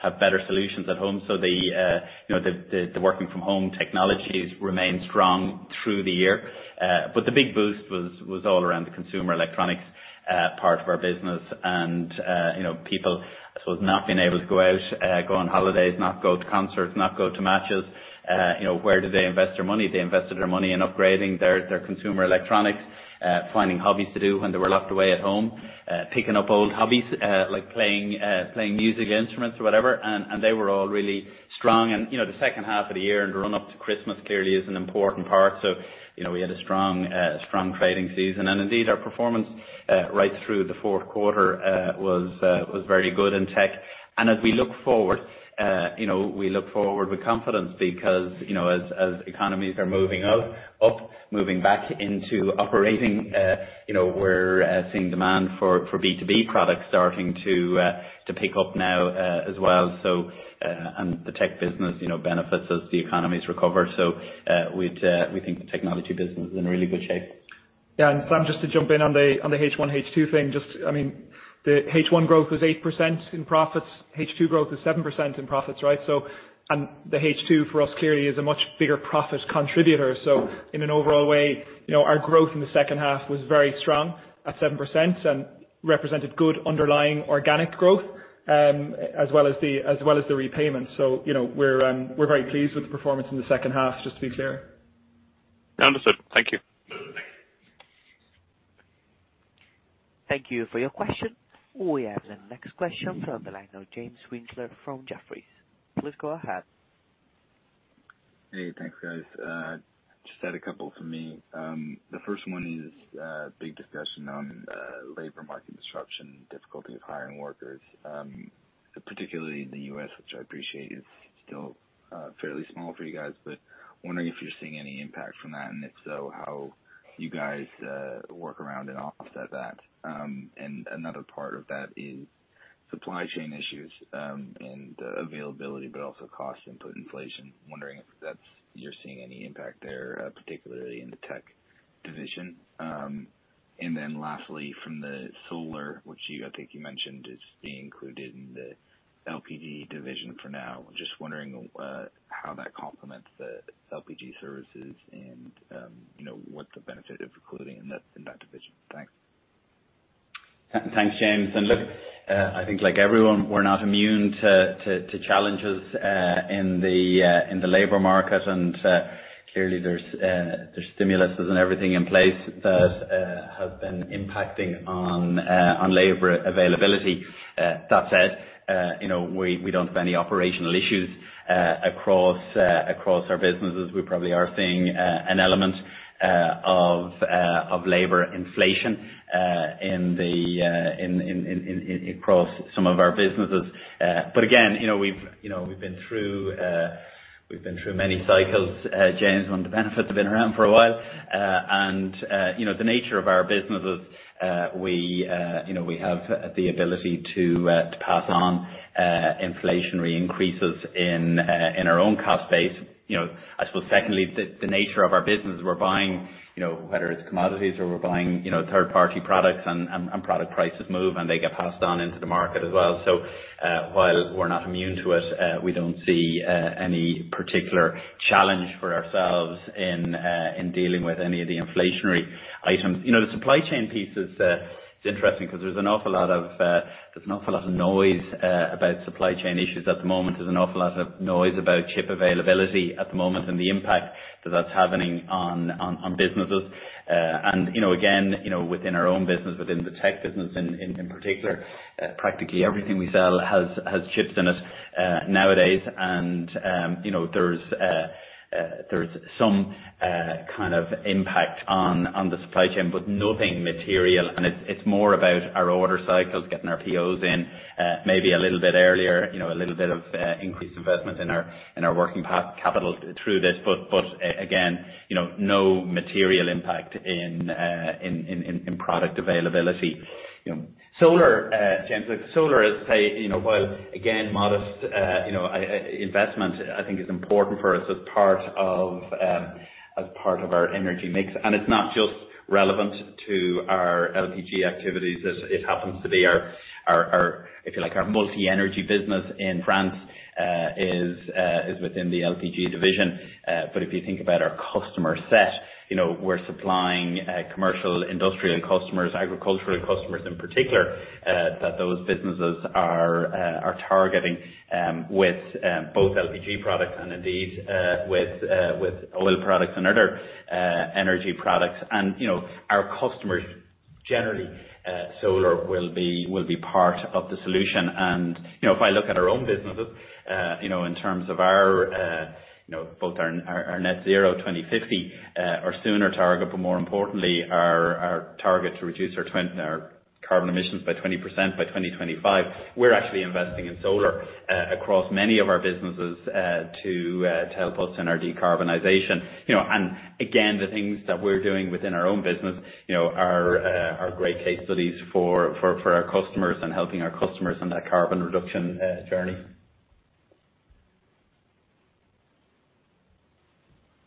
have better solutions at home. The working from home technologies remained strong through the year. The big boost was all around the consumer electronics part of our business. People, I suppose not being able to go out, go on holidays, not go to concerts, not go to matches, where do they invest their money? They invested their money in upgrading their consumer electronics, finding hobbies to do when they were locked away at home, picking up old hobbies like playing music instruments or whatever, and they were all really strong. The H2 of the year and run up to Christmas clearly is an important part. We had a strong trading season. Indeed our performance right through the Q4 was very good in tech. As we look forward, we look forward with confidence because as economies are moving up, moving back into operating, we're seeing demand for B2B products starting to pick up now as well. The tech business benefits as the economies recover. We think the technology business is in really good shape. Sam, to jump in on the H1, H2 thing, the H1 growth was 8% in profits. H2 growth was 7% in profits. The H2 for us clearly is a much bigger profit contributor. In an overall way, our growth in the H2 was very strong at 7% and represented good underlying organic growth as well as the repayment. We're very pleased with the performance in the H2, just to be clear. Understood. Thank you. Thank you for your question. We have the next question from the line of James Winkler from Jefferies. Please go ahead. Hey, thanks, guys. Just had a couple for me. The first one is big discussion on labor market disruption, difficulty of hiring workers, particularly in the U.S., which I appreciate is still fairly small for you guys, but wondering if you're seeing any impact from that, and if so, how you guys work around and offset that. Another part of that is supply chain issues, and availability, but also cost input inflation. Wondering if you're seeing any impact there, particularly in the tech division. Lastly, from the solar, which I think you mentioned is being included in the LPG division for now. Just wondering how that complements the LPG services and what the benefit of including that in that division. Thanks. Thanks, James. Look, I think like everyone, we're not immune to challenges in the labor market, and clearly there's stimuluses and everything in place that has been impacting on labor availability. That said, we don't have any operational issues across our businesses. We probably are seeing an element of labor inflation across some of our businesses. Again, we've been through many cycles, James, and the benefits have been around for a while. The nature of our businesses, we have the ability to pass on inflationary increases in our own cost base. I suppose secondly, the nature of our business, we're buying, whether it's commodities or we're buying third-party products and product prices move, and they get passed on into the market as well. While we're not immune to it, we don't see any particular challenge for ourselves in dealing with any of the inflationary items. The supply chain piece is interesting because there's an awful lot of noise about supply chain issues at the moment. There's an awful lot of noise about chip availability at the moment and the impact that that's having on businesses. Again, within our own business, within the tech business in particular, practically everything we sell has chips in it nowadays, and there's some kind of impact on the supply chain, but nothing material. It's more about our order cycles, getting our POs in maybe a little bit earlier, a little bit of increased investment in our working capital through this. Again, no material impact in product availability. Solar, James, look, solar, as I say, while again, modest investment, I think it's important for us as part of our energy mix. It's not just relevant to our LPG activities. It happens to be our multi-energy business in France is within the LPG division. If you think about our customer set, we're supplying commercial, industrial customers, agricultural customers in particular, that those businesses are targeting with both LPG products and indeed with oil products and other energy products. Our customers, generally, solar will be part of the solution. If I look at our own businesses, in terms of both our net zero 2050, our sooner target, but more importantly, our target to reduce our carbon emissions by 20% by 2025, we're actually investing in solar across many of our businesses to help us in our decarbonization. Again, the things that we're doing within our own business are great case studies for our customers and helping our customers on that carbon reduction journey.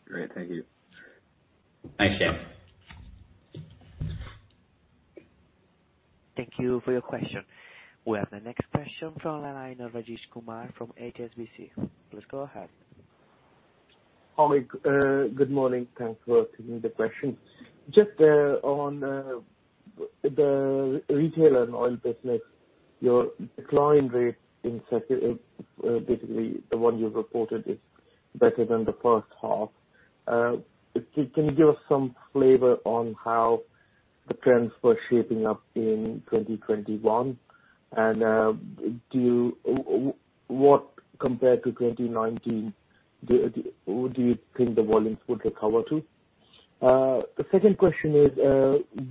Great. Thank you. Thanks, James. Thank you for your question. We have the next question from the line of Rajesh Kumar from HSBC. Please go ahead. Hi. Good morning. Thanks for taking the question. Just on the retail and oil business, your decline rate in particular the one you reported is better than the H1. Can you give us some flavor on how the trends were shaping up in 2021, and what compared to 2019, where do you think the volumes would recover to? Second question is,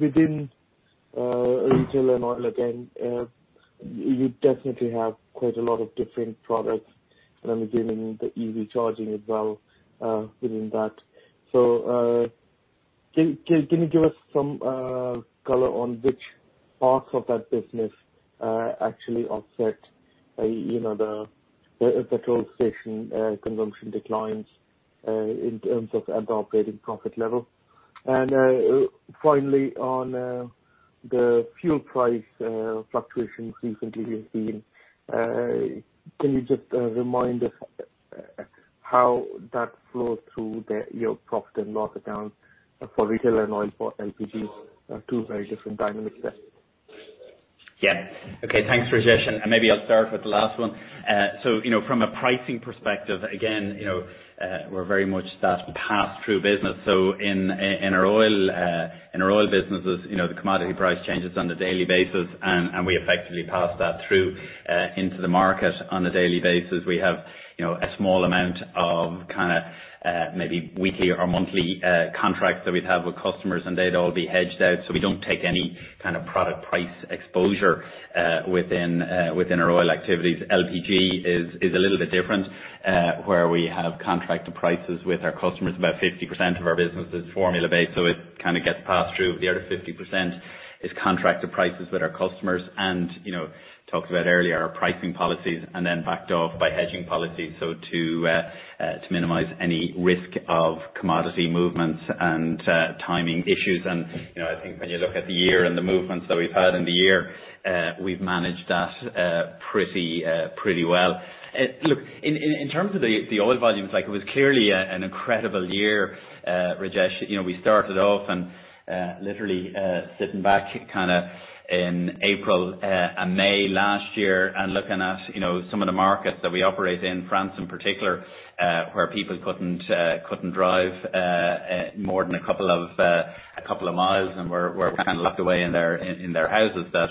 within retail and oil, again, you definitely have quite a lot of different products, the EV charging as well within that. Can you give us some color on which parts of that business actually offset the petrol station consumption declines in terms of at the operating profit level? Finally, on the fuel price fluctuation recently we've seen, can you just remind us how that flows through your profit and mark it down for retail and oil, for LPG, two very different dynamics there. Yeah. Okay. Thanks, Rajesh. Maybe I'll start with the last one. From a pricing perspective, again, we're very much that pass-through business. In our oil businesses, the commodity price changes on a daily basis, and we effectively pass that through into the market on a daily basis. We have a small amount of maybe weekly or monthly contracts that we'd have with customers, and they'd all be hedged out. We don't take any kind of product price exposure within our oil activities. LPG is a little bit different, where we have contracted prices with our customers. About 50% of our business is formula based, so it kind of gets passed through. The other 50% is contracted prices with our customers and, talked about earlier, our pricing policies and then backed off by hedging policies. To minimize any risk of commodity movements and timing issues. I think when you look at the year and the movements that we've had in the year, we've managed that pretty well. Look, in terms of the oil volumes, it was clearly an incredible year, Rajesh. We started off and literally sitting back kind of in April and May last year and looking at some of the markets that we operate in, France in particular where people couldn't drive more than a couple of miles and were kind of locked away in their houses, that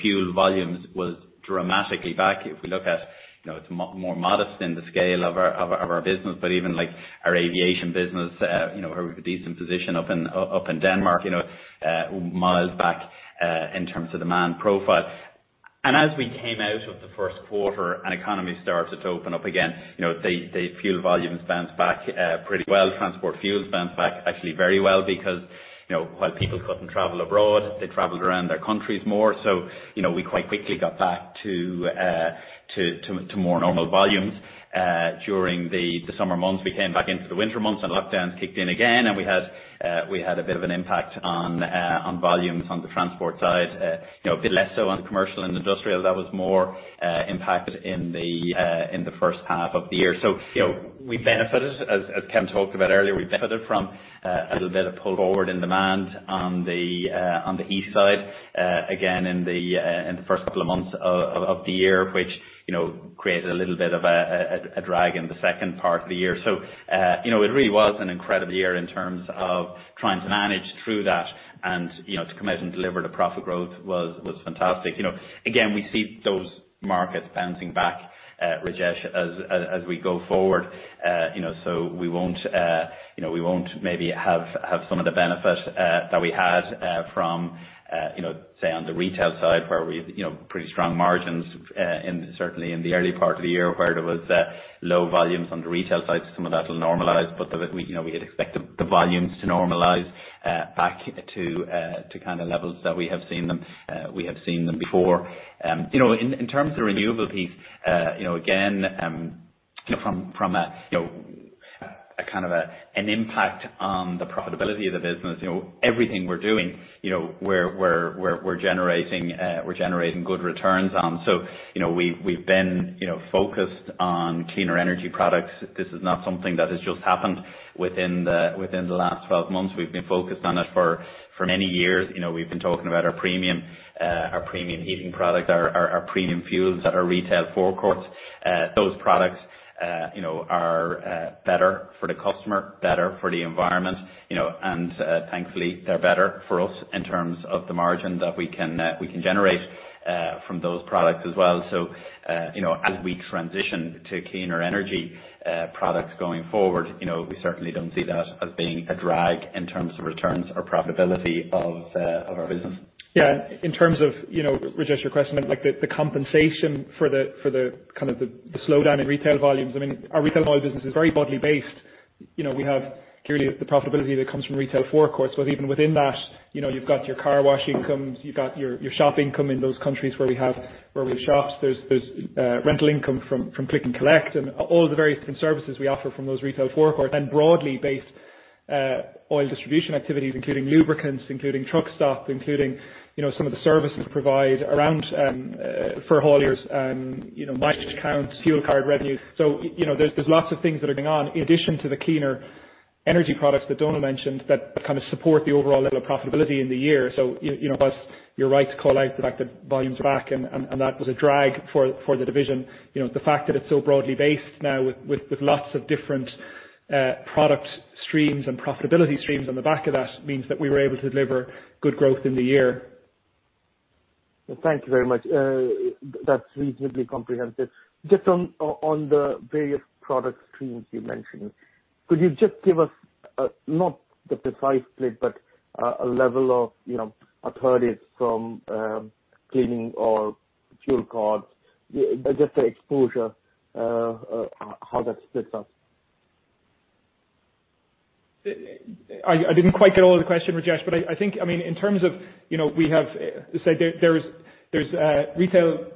fuel volumes was dramatically back. If we look at, it's more modest than the scale of our business, but even our aviation business, where we've a decent position up in Denmark, miles back in terms of demand profile. As we came out of the Q1 and economies started to open up again, the fuel volumes bounced back pretty well. Transport fuel bounced back actually very well because, while people couldn't travel abroad, they traveled around their countries more. We quite quickly got back to more normal volumes during the summer months. We came back into the winter months and lockdowns kicked in again, and we had a bit of an impact on volumes on the transport side. A bit less so on commercial and industrial. That was more impacted in the H1 of the year. We benefited, as Kevin talked about earlier, we benefited from a little bit of pull forward in demand on the E side again in the first couple of months of the year, which created a little bit of a drag in the second part of the year. It really was an incredible year in terms of trying to manage through that and to come out and deliver the profit growth was fantastic. Again, we see those markets bouncing back, Rajesh, as we go forward. We won't maybe have some of the benefit that we had from, say, on the retail side where we've pretty strong margins, certainly in the early part of the year where there was low volumes on the retail side. Some of that will normalize, but we'd expect the volumes to normalize back to kind of levels that we have seen them before. In terms of the renewable piece, again, from a kind of an impact on the profitability of the business, everything we're doing, we're generating good returns on. We've been focused on cleaner energy products. This is not something that has just happened within the last 12 months. We've been focused on it for many years. We've been talking about our premium heating products, our premium fuels at our retail forecourts. Those products are better for the customer, better for the environment, and thankfully, they're better for us in terms of the margin that we can generate from those products as well. As we transition to cleaner energy products going forward, we certainly don't see that as being a drag in terms of returns or profitability of our business. Yeah. In terms of, Rajesh, your question about the compensation for the kind of the slowdown in retail volumes. I mean, our retail volume business is very broadly based. We have clearly the profitability that comes from retail forecourts. Even within that, you've got your car wash incomes, you've got your shop income in those countries where we have shops. There's rental income from click and collect and all the various different services we offer from those retail forecourts and broadly based oil distribution activities, including lubricants, including truck stop, including some of the services we provide around for hauliers, mileage accounts, fuel card revenue. There's lots of things that are going on in addition to the cleaner energy products that Donal mentioned that kind of support the overall level of profitability in the year. You're right to call out the volumes back, and that was a drag for the division. The fact that it's so broadly based now with lots of different product streams and profitability streams on the back of that means that we were able to deliver good growth in the year. Thank you very much. That's reasonably comprehensive. On the various product streams you mentioned, could you just give us, not the precise split, but a level of, I'll call it from cleaning or fuel cards, just the exposure, how that splits up? I didn't quite get all the question, Rajesh, I think, I mean, in terms of, we have said there's a retail.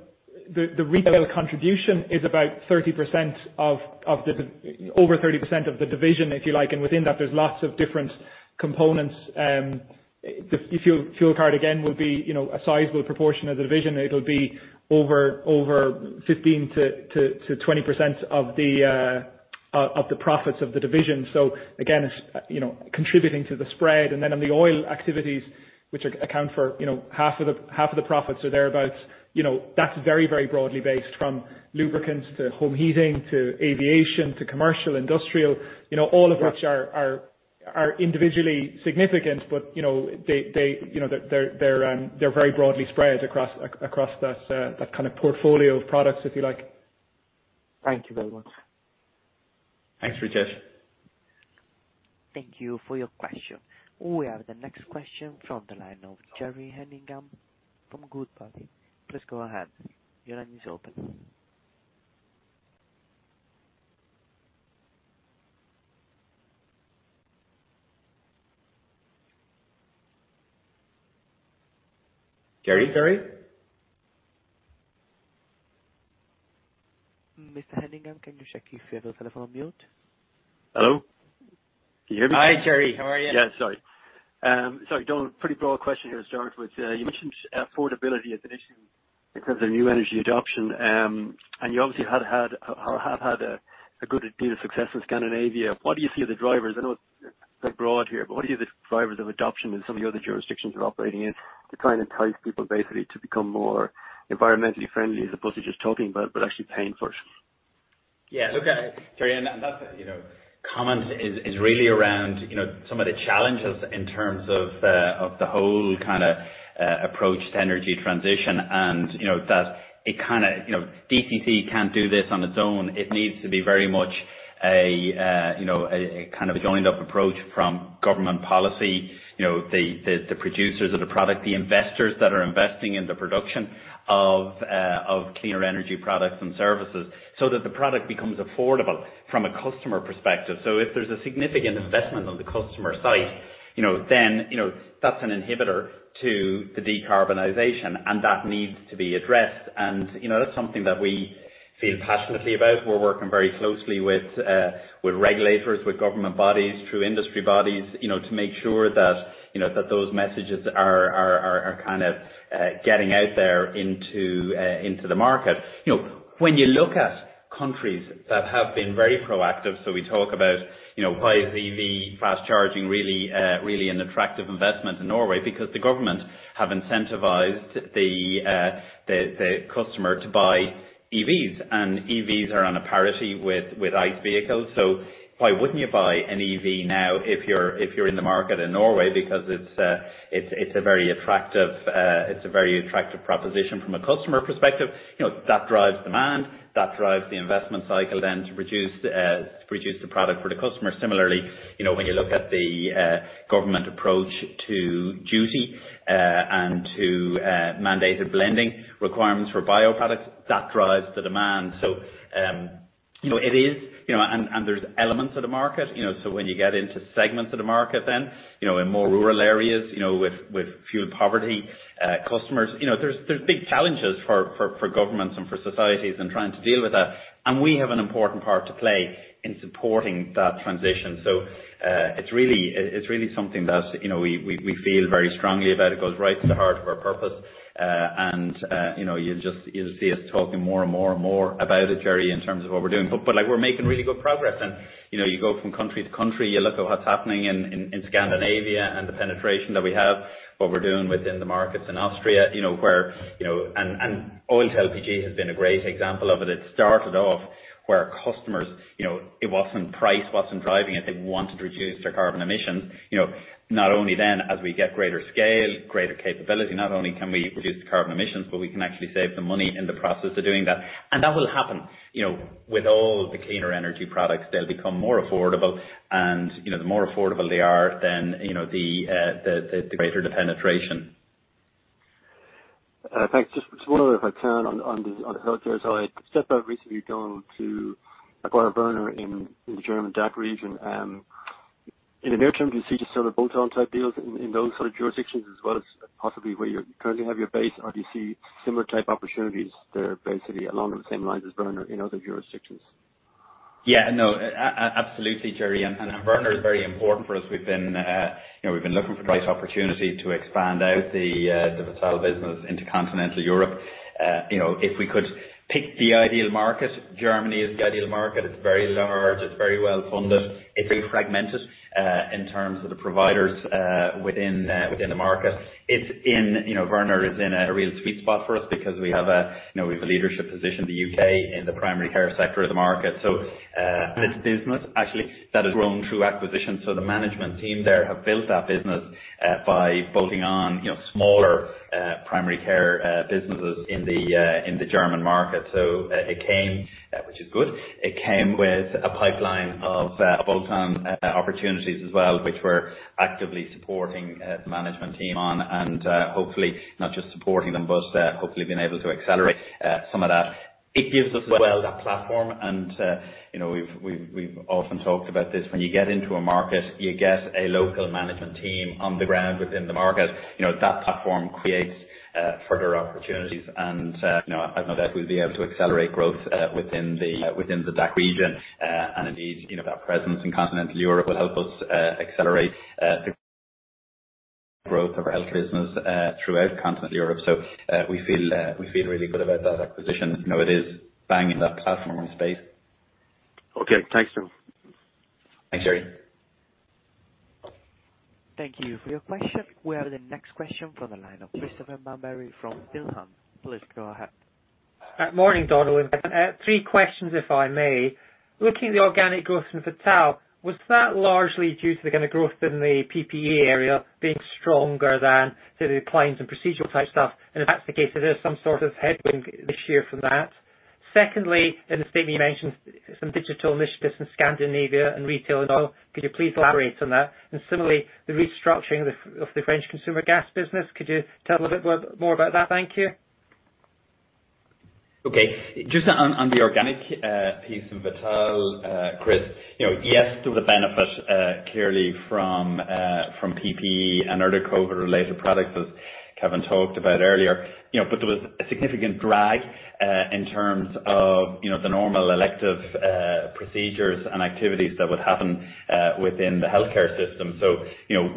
The retail contribution is about 30%, over 30% of the division, if you like. Within that, there's lots of different components. The fuel card again, would be a sizable proportion of the division. It'll be over 15%-20% of the profits of the division, again, contributing to the spread, the oil activities which account for half of the profits or thereabouts. That's very broadly based from lubricants to home heating to aviation to commercial, industrial, all of which are individually significant, but they're very broadly spread across that kind of portfolio of products if you like. Thank you very much. Thanks, Rajesh. Thank you for your question. We have the next question from the line of Gerry Hennigan from Goodbody. Please go ahead. Your line is open. Mr. Hennigan, can you check if you have a phone mute? Hello. Can you hear me Hi, Gerry. How are you? Yeah, sorry, Donal, pretty broad question here to start with. You mentioned affordability of the new energy adoption, and you obviously have had a good deal of success in Scandinavia. What do you see the drivers, I know they're broad here, but what do you see the drivers of adoption in some of the other jurisdictions you're operating in to try and entice people basically to become more environmentally friendly as opposed to just talking about it but actually paying for it? Look, that comment is really around some of the challenges in terms of the whole kind of approach to energy transition, and that DCC can't do this on its own. It needs to be very much a joined-up approach from government policy, the producers of the product, the investors that are investing in the production of cleaner energy products and services so that the product becomes affordable from a customer perspective. If there's a significant investment on the customer side, then that's an inhibitor to the decarbonization, and that needs to be addressed. That's something that we feel passionately about. We're working very closely with regulators, with government bodies, through industry bodies, to make sure that those messages are getting out there into the market. When you look at countries that have been very proactive, so we talk about why is EV fast charging really an attractive investment in Norway? The government have incentivized the customer to buy EVs, and EVs are on a parity with ICE vehicles. Why wouldn't you buy an EV now if you're in the market in Norway? It's a very attractive proposition from a customer perspective. That drives demand, that drives the investment cycle then to produce the product for the customer. Similarly, when you look at the government approach to duty, and to mandated lending requirements for bioproducts, that drives the demand. There's elements of the market, so when you get into segments of the market then, in more rural areas, with fuel poverty customers. There's big challenges for governments and for societies in trying to deal with that, and we have an important part to play in supporting that transition. It's really something that we feel very strongly about. It goes right to the heart of our purpose, and you'll see us talking more and more about it, Gerry, in terms of what we're doing. We're making really good progress, and you go from country to country, you look at what's happening in Scandinavia and the penetration that we have, what we're doing within the markets in Austria. Oil to LPG has been a great example of it. It started off where customers, price wasn't driving it. They wanted to reduce their carbon emissions. Not only then, as we get greater scale, greater capability, not only can we reduce carbon emissions, but we can actually save them money in the process of doing that. That will happen, with all the cleaner energy products, they'll become more affordable. The more affordable they are, then the greater the penetration. Thanks. Just one more if I can on the healthcare side. You stepped out recently, Donal, to acquire PVO in the German DACH region. In the near term, do you see similar bolt-on type deals in those sort of jurisdictions as well as possibly where you currently have your base? Do you see similar type opportunities there basically along the same lines as PVO in other jurisdictions? No, absolutely, Gerry, PVO is very important for us. We've been looking for the right opportunity to expand out the Vital business into continental Europe. If we could pick the ideal market, Germany is the ideal market. It's very large, it's very well-funded. It's very fragmented, in terms of the providers within the market. PVO is in a real sweet spot for us because we have a leadership position in the U.K. in the primary care sector of the market. It's a business actually that has grown through acquisition, so the management team there have built that business by bolting on smaller primary care businesses in the German market. It came, which is good, it came with a pipeline of bolt-on opportunities as well, which we're actively supporting the management team on and hopefully not just supporting them, but hopefully being able to accelerate some of that. It gives us as well that platform and we've often talked about this. When you get into a market, you get a local management team on the ground within the market. That platform creates further opportunities, and I've no doubt we'll be able to accelerate growth within the DACH region. Indeed, that presence in continental Europe will help us accelerate growth of our business throughout continental Europe. We feel really good about that acquisition. It is banging that platform on its face. Okay, thank you. Thanks, Gerry. Thank you for your question. We have the next question from the line of Christopher Mambury from Hillhouse. Please go ahead. Morning, Donal. Three questions if I may. Looking at the organic growth in DCC Vital, was that largely due to the kind of growth in the PPE area being stronger than the claims and procedural type stuff, and that is the case, there is some sort of headwind this year from that. Secondly, in the statement, you mentioned some digital initiatives in Scandinavia and retail and all. Could you please elaborate on that? Similarly, the restructuring of the French consumer gas business. Could you tell a bit more about that? Thank you. Just on the organic piece of DCC Vital, Chris, yes, there was benefit clearly from PPE and early COVID-related products, as Kevin talked about earlier. There was a significant drag in terms of the normal elective procedures and activities that would happen within the healthcare system.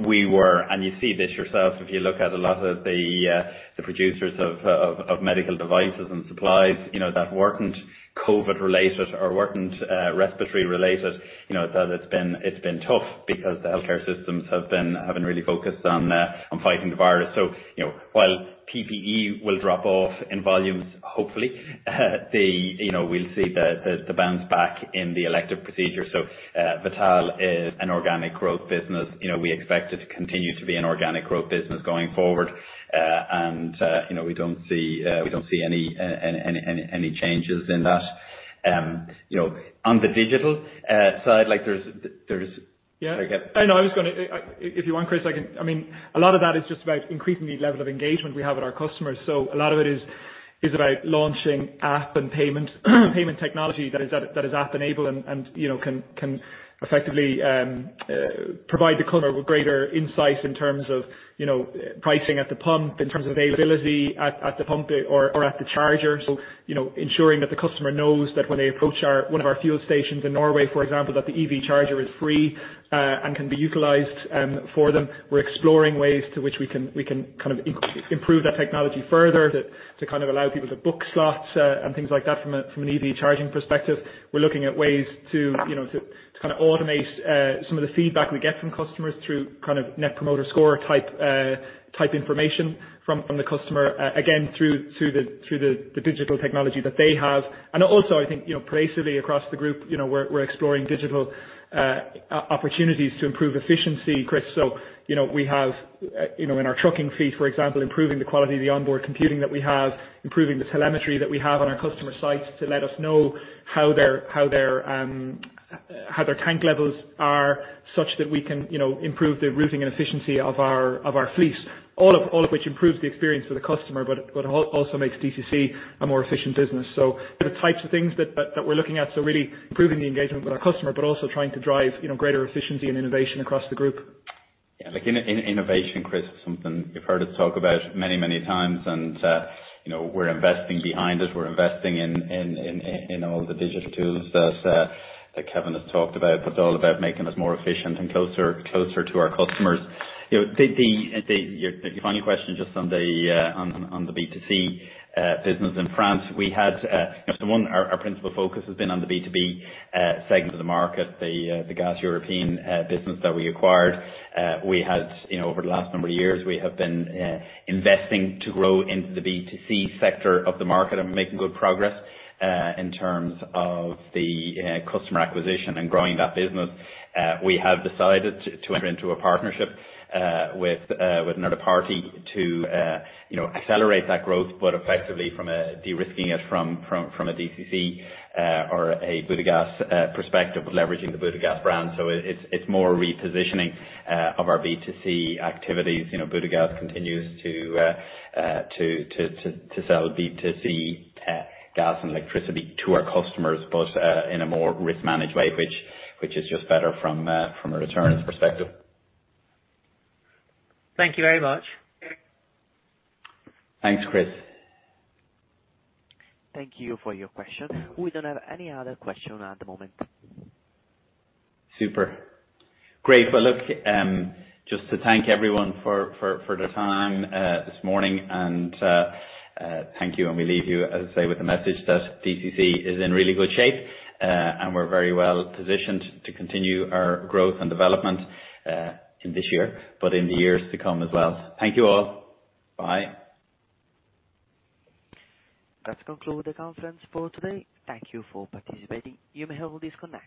We were, and you see this yourself, if you look at a lot of the producers of medical devices and supplies that weren't COVID related or weren't respiratory related, that it's been tough because the healthcare systems have been really focused on fighting the virus. While PPE will drop off in volumes, hopefully, we'll see the bounce back in the elective procedure. DCC Vital is an organic growth business. We expect it to continue to be an organic growth business going forward. We don't see any changes in that. On the digital side- If you want, Chris, a lot of that is just about increasing the level of engagement we have with our customers. A lot of it is about launching app and payment technology that is app-enabled and can effectively provide the customer with greater insight in terms of pricing at the pump, in terms of availability at the pump or at the charger. Ensuring that the customer knows that when they approach one of our fuel stations in Norway, for example, that the EV charger is free and can be utilized for them. We're exploring ways to which we can kind of improve that technology further to allow people to book slots and things like that from an EV charging perspective. We're looking at ways to kind of automate some of the feedback we get from customers through kind of Net Promoter Score type information from the customer, again, through the digital technology that they have. Also, I think, creatively across the group, we're exploring digital opportunities to improve efficiency, Chris. We have in our trucking fleet, for example, improving the quality of the onboard computing that we have, improving the telemetry that we have on our customer sites to let us know how their tank levels are such that we can improve the routing efficiency of our fleet. All of which improves the experience of the customer, but also makes DCC a more efficient business. The types of things that we're looking at are really improving the engagement of our customer, but also trying to drive greater efficiency and innovation across the group. Innovation, Chris, something you've heard us talk about many times, and we're investing behind it. We're investing in all the digital tools that Kevin has talked about. It's all about making us more efficient and closer to our customers. Your final question just on the B2C business in France. Our principal focus has been on the B2B segment of the market, the Gaz Européen business that we acquired. For the last number of years we have been investing to grow in the B2C sector of the market. In terms of acquisition and growing the business. We have decided to enter into a partnership with another party to accelerate the growth. It's more repositioning of our B2C activities. Butagaz continues to sell B2C gas and electricity to our customers, but in a more risk-managed way, which is just better from a returns perspective. Thank you very much. Thanks, Chris. Thank you for your question. We don't have any other questions at the moment. Super. Great. Well, look, just to thank everyone for their time this morning. Thank you, and we leave you, as I say, with the message that DCC is in really good shape. We're very well positioned to continue our growth and development in this year, but in the years to come as well. Thank you all. Bye. That concludes the conference for today. Thank you for participating. You may hang up your phone now.